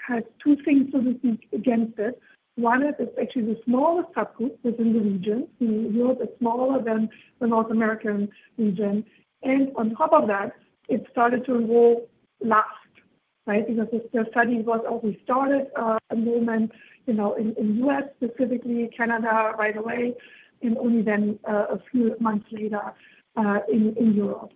has two things to be against it. One is it's actually the smallest subgroup within the region. Europe is smaller than the North America region. On top of that, it started to enroll last, because the study was only started enrollment in the U.S. specifically, Canada right away, and only then a few months later in Europe.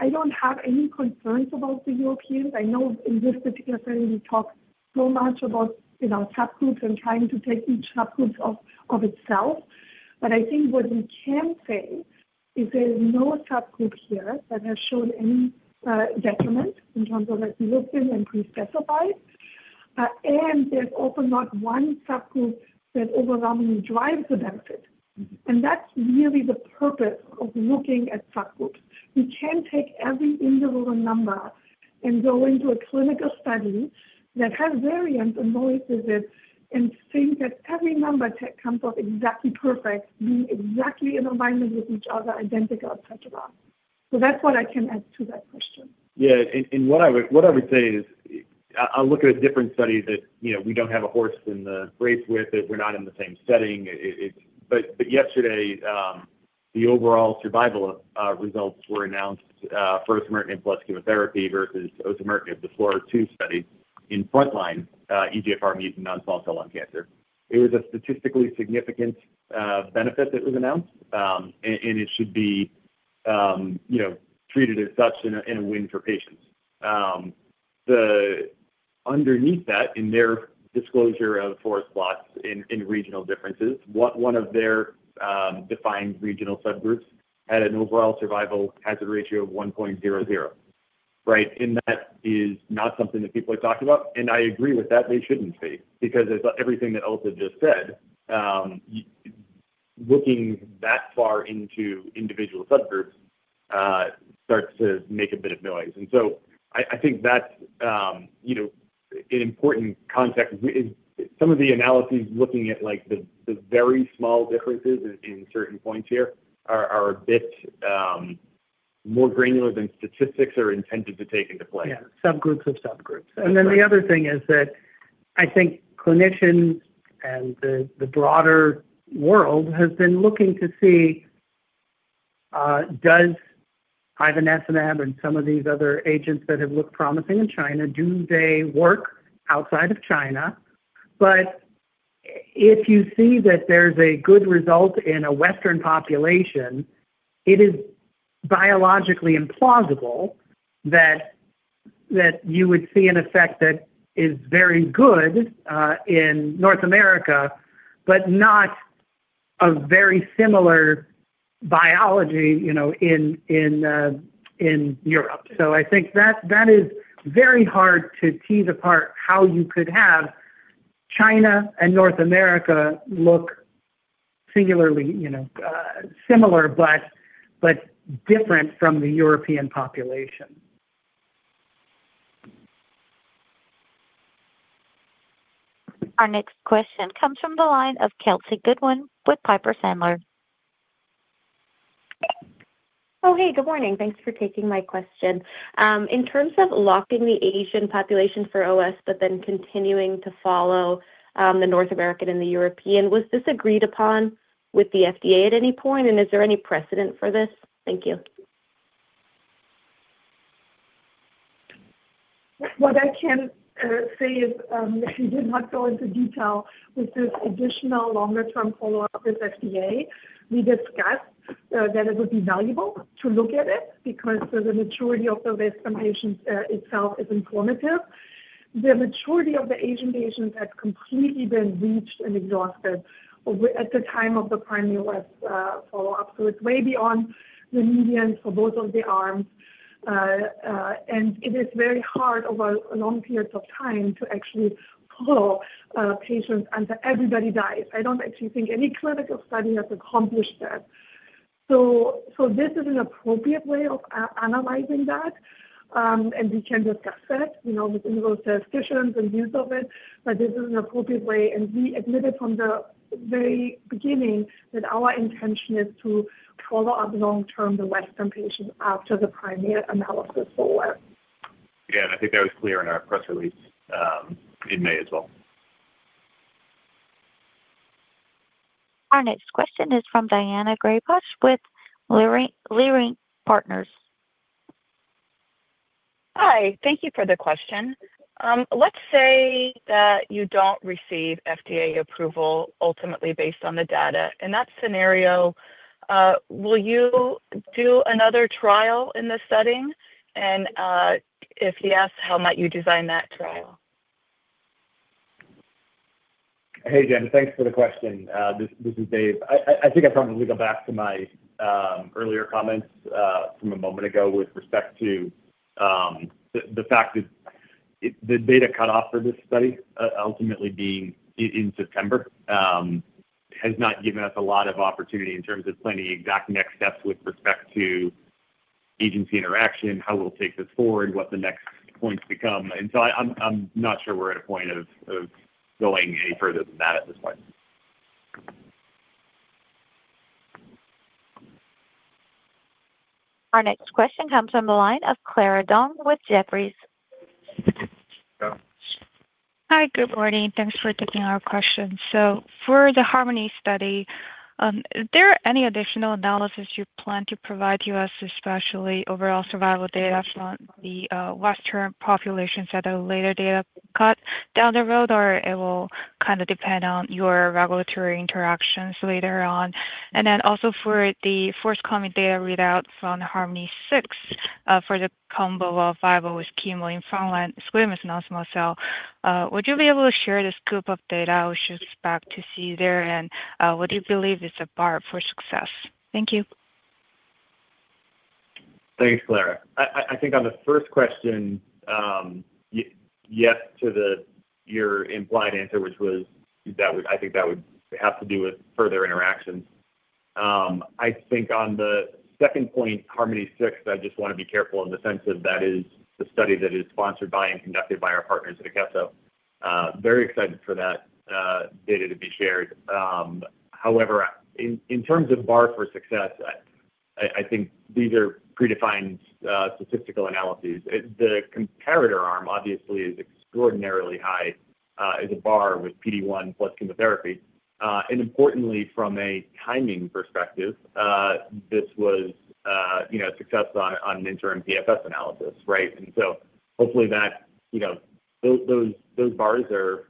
I don't have any concerns about the Europeans. I know in this particular study, we talked so much about subgroups and time to take each subgroup of itself. I think what we can say is there's no subgroup here that has shown any detriment in terms of that we looked in and we specified. There's often not one subgroup that overwhelmingly drives the benefit. That's really the purpose of looking at subgroups. You can't take every individual number and go into a clinical study that has variance on voice visit and think that every number that comes off exactly perfect would be exactly in alignment with each other, identical, etc. That's what I can add to that question. Yeah. What I would say is I'll look at a different study that, you know, we don't have a horse in the race with it. We're not in the same setting. Yesterday, the overall survival results were announced for osimertinib plus chemotherapy versus osimertinib in the FLAURA2 study in first-line EGFR-mutated non-small cell lung cancer. It was a statistically significant benefit that was announced, and it should be treated as such in a win for patients. Underneath that, in their disclosure of forest plots in regional differences, one of their defined regional subgroups had an overall survival hazard ratio of 1.00, right? That is not something that people are talking about. I agree with that. They shouldn't be because, as everything that Urte just said, looking that far into individual subgroups starts to make a bit of noise. I think that's an important context. Some of the analyses looking at the very small differences in certain points here are a bit more granular than statistics are intended to take into play. Yeah. Subgroups are subgroups. The other thing is that I think clinicians and the broader world have been looking to see, does Ivonescimab and some of these other agents that have looked promising in China, do they work outside of China? If you see that there's a good result in a Western population, it is biologically implausible that you would see an effect that is very good in North America, but not a very similar biology in Europe. I think that is very hard to tease apart, how you could have China and North America look singularly similar, but different from the European population. Our next question comes from the line of Kelsey Goodwin with Piper Sandler. Oh, hey, good morning. Thanks for taking my question. In terms of locking the Asian population for OS, but then continuing to follow the North American and the European, was this agreed upon with the FDA at any point? Is there any precedent for this? Thank you. What I can say is, if you did not go into detail with this additional longer-term follow-up with the FDA, we discussed that it would be valuable to look at it because the maturity of the Western patients itself is informative. The maturity of the Asian patients has completely been reached and exhausted at the time of the primary OS follow-up. It is way beyond the median for both of the arms. It is very hard over a long period of time to actually follow patients until everybody dies. I don't actually think any clinical study has accomplished that. This is an appropriate way of analyzing that. We can discuss that. We know with FDA certifications and views of it, but this is an appropriate way. We admitted from the very beginning that our intention is to follow up long-term the Western patients after the primary analysis for OS. Again, I think that was clear in our press release in May as well. Our next question is from Daina Graybosch with Leerink Partners. Hi. Thank you for the question. Let's say that you don't receive FDA approval ultimately based on the data. In that scenario, will you do another trial in this setting? If yes, how might you design that trial? Hey, Jen. Thanks for the question. This is Dave. I think I probably go back to my earlier comments from a moment ago with respect to the fact that the data cutoff for this study, ultimately being in September, has not given us a lot of opportunity in terms of planning the exact next steps with respect to agency interaction, how we'll take this forward, what the next points become. I'm not sure we're at a point of going any further than that at this point. Our next question comes from the line of Clara Dong with Jefferies. Hi. Good morning. Thanks for taking our question. For the HARMONi study, is there any additional analysis you plan to provide to us, especially overall survival data from the Western populations at a later data cut down the road, or will it kind of depend on your regulatory interactions later on? Also, for the forthcoming data readout from HARMONi-6 for the combo of VEGF chemo in frontline squamous non-small cell, would you be able to share the scope of data we should expect to see there, and what do you believe is a bar for success? Thank you. Thanks, Clara. I think on the first question, yes to your implied answer, which was that would I think that would have to do with further interactions. I think on the second point, HARMONi-6, I just want to be careful in the sense that that is the study that is sponsored by and conducted by our partners at Akeso. Very excited for that data to be shared. However, in terms of bar for success, I think these are predefined statistical analyses. The comparator arm, obviously, is extraordinarily high as a bar with PD-1 plus chemotherapy. Importantly, from a timing perspective, this was a success on an interim PFS analysis, right? Hopefully, those bars are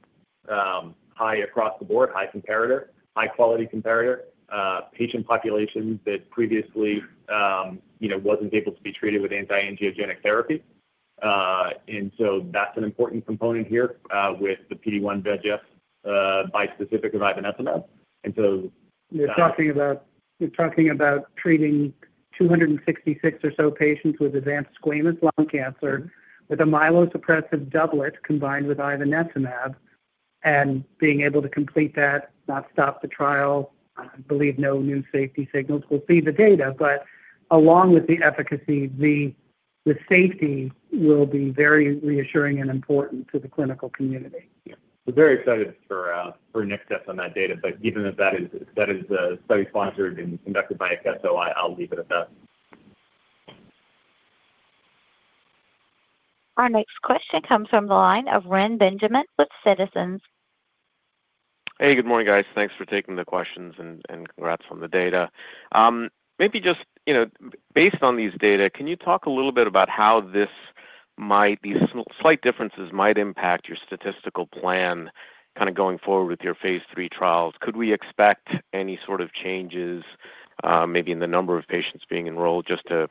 high across the board, high comparator, high-quality comparator, patient population that previously wasn't able to be treated with anti-angiogenic therapy. That's an important component here with the PD-1 VEGF bispecific of Ivonescimab. You're talking about treating 266 or so patients with advanced squamous lung cancer with a myelosuppressive doublet combined with Ivonescimab and being able to complete that, not stop the trial. I believe no new safety signals will be the data. Along with the efficacy, the safety will be very reassuring and important to the clinical community. We're very excited for next steps on that data. Given that is a study sponsored and conducted by Akeso, I'll leave it at that. Our next question comes from the line of Reni Benjamin with Citizens. Hey, good morning, guys. Thanks for taking the questions and congrats on the data. Maybe just, you know, based on these data, can you talk a little bit about how these slight differences might impact your statistical plan going forward with your Phase III trials? Could we expect any sort of changes, maybe in the number of patients being enrolled, just to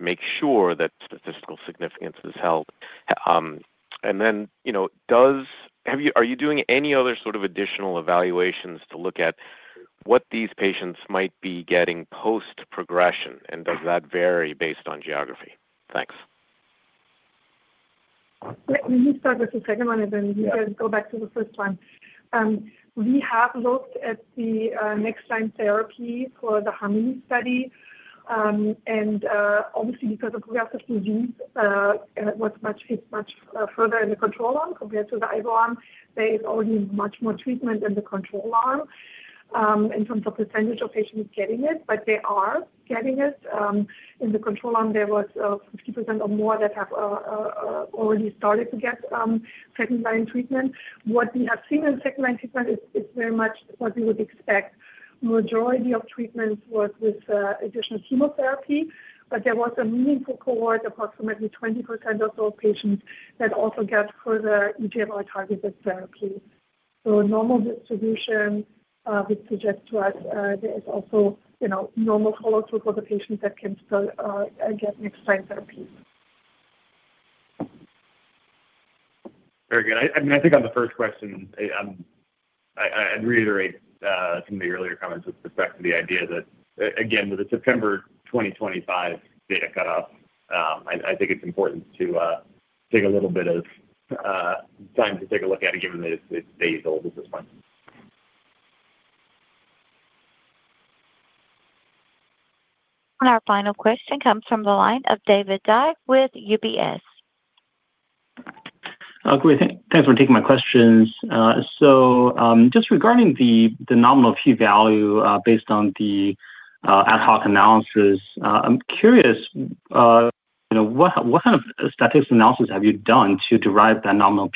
make sure that statistical significance is held? Are you doing any other sort of additional evaluations to look at what these patients might be getting post-progression? Does that vary based on geography? Thanks. Let me start with the second one, and then you can go back to the first one. We have looked at the NextGen therapy for the HARMONi study. Obviously, because of progressive disease, it was much further in the control arm compared to the IV arm. There is only much more treatment in the control arm in terms of the % of patients getting it, but they are getting it. In the control arm, there was 50% or more that have already started to get second-line treatment. What we have seen in second-line treatment is very much what we would expect. The majority of treatments were with additional chemotherapy. There was a meaningful cohort, approximately 20% of those patients that also get further EGFR-targeted therapy. Normal distribution suggests that there is also, you know, normal follow-ups with all the patients that can still get NextGen therapies. Very good. I mean, I think on the first question, I'd reiterate some of the earlier comments with the idea that, again, with the September 2025 data cutoff, I think it's important to take a little bit of time to take a look at it, given that it's a bit days old at this point. Our final question comes from the line of David Dai with UBS. Oh, great. Thanks for taking my questions. Just regarding the nominal p-value based on the ad hoc analysis, I'm curious, you know, what kind of statistical analysis have you done to derive that nominal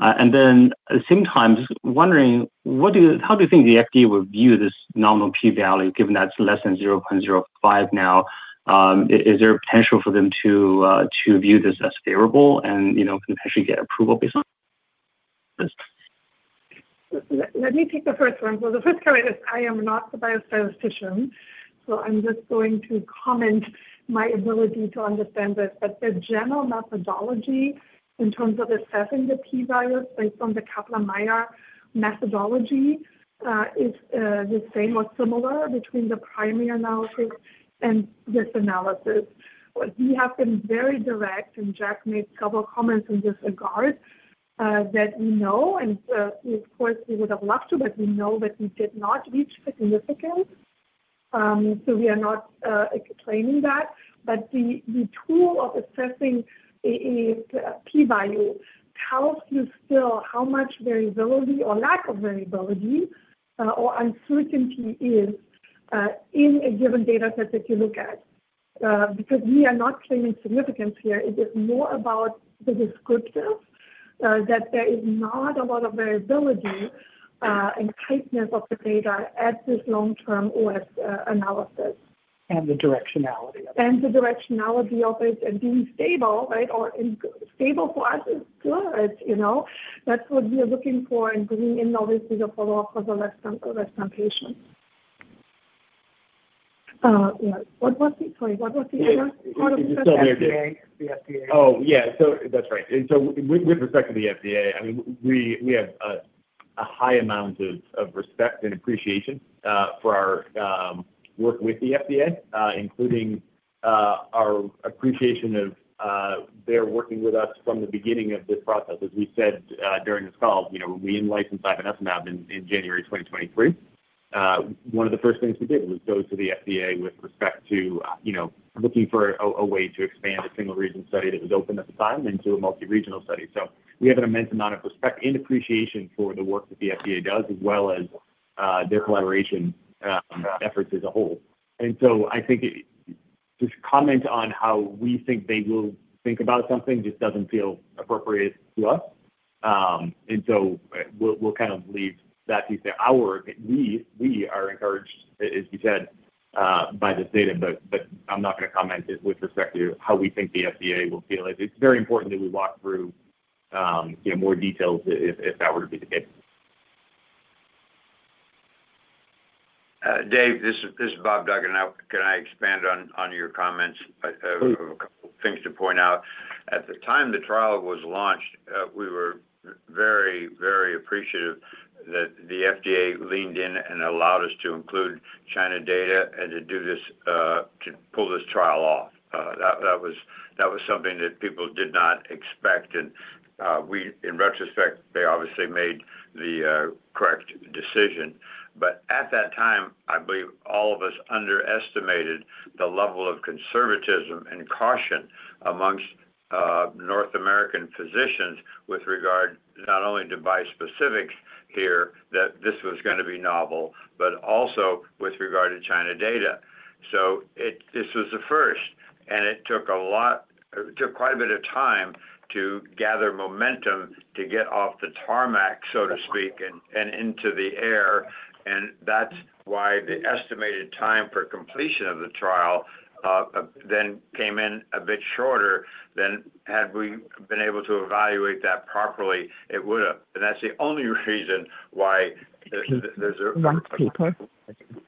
p-value? At the same time, just wondering, how do you think the FDA will view this nominal p-value given that it's less than 0.05 now? Is there a potential for them to view this as a variable and, you know, potentially get approval based on it? Let me take the first one. For the first one, I am not the biostatistician. I'm just going to comment my ability to understand it. The general methodology in terms of assessing the p-values based on the Kaplan-Meier methodology is the same or similar between the primary analysis and this analysis. We have been very direct, and Jeff made several comments in this regard that we know, and of course, we would have loved to, but we know that we did not reach significance. We are not explaining that. The tool of assessing a p-value tells you still how much variability or lack of variability or uncertainty is in a given data set that you look at. We are not claiming significance here. It is more about the descriptive that there is not a lot of variability and tightness of the data at this long-term ORS analysis. The directionality of it. The directionality of it and being stable, right? Stable for us is good. That's what we are looking for in bringing in all these bigger follow-ups of our lifetime patients. What was the, sorry, what was the other? You were going to say something about the FDA. The FDA. That's right. With respect to the FDA, we have a high amount of respect and appreciation for our work with the FDA, including our appreciation of their working with us from the beginning of this process. As we said during this call, when we licensed Ivonescimab in January 2023, one of the first things we did was go to the FDA with respect to looking for a way to expand a single-region study that was open at the time into a multi-regional study. We have an immense amount of respect and appreciation for the work that the FDA does, as well as their collaboration efforts as a whole. I think to comment on how we think they will think about something just doesn't feel appropriate to us. We'll leave that to you. Our view is we are encouraged, as you said, by this data. I'm not going to comment with respect to how we think the FDA will feel it. It's very important that we walk through more details if that were to be the case. Dave, this is Rob Duggan. Can I expand on your comments? I have a couple of things to point out. At the time the trial was launched, we were very, very appreciative that the FDA leaned in and allowed us to include China data and to do this, to pull this trial off. That was something that people did not expect. In retrospect, they obviously made the correct decision. At that time, I believe all of us underestimated the level of conservatism and caution amongst North American physicians with regard not only to bias specifics here that this was going to be novel, but also with regard to China data. This was a first. It took quite a bit of time to gather momentum to get off the tarmac, so to speak, and into the air. That's why the estimated time for completion of the trial then came in a bit shorter than had we been able to evaluate that properly, it would have. That's the only reason why. There's a lot of paper.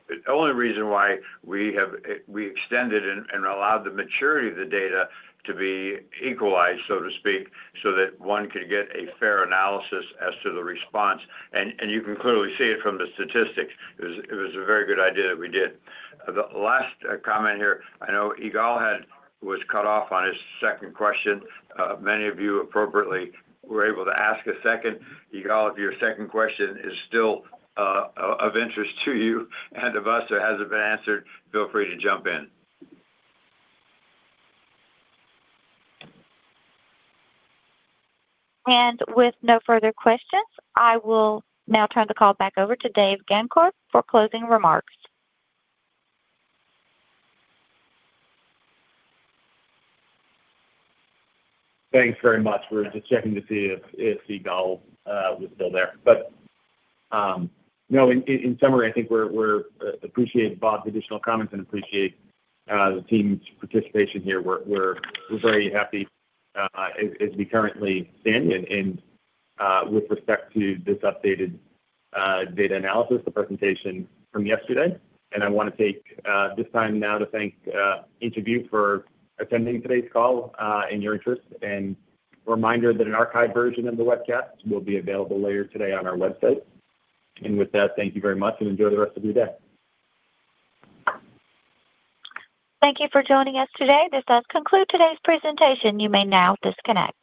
The only reason why we have extended and allowed the maturity of the data to be equalized, so to speak, is so that one could get a fair analysis as to the response. You can clearly see it from the statistics. It was a very good idea that we did. The last comment here, I know Egall was cut off on his second question. Many of you appropriately were able to ask a second. Egall, if your second question is still of interest to you and of us or hasn't been answered, feel free to jump in. With no further questions, I will now turn the call back over to Dave Gancarz for closing remarks. Thanks very much. We're just checking to see if Egall was still there. No, in summary, I think we appreciate Bob's additional comments and appreciate the team's participation here. We're very happy as we currently stand with respect to this updated data analysis presentation from yesterday. I want to take this time now to thank each of you for attending today's call and your interest. A reminder that an archived version of the webcast will be available later today on our website. With that, thank you very much and enjoy the rest of your day. Thank you for joining us today. This does conclude today's presentation. You may now disconnect.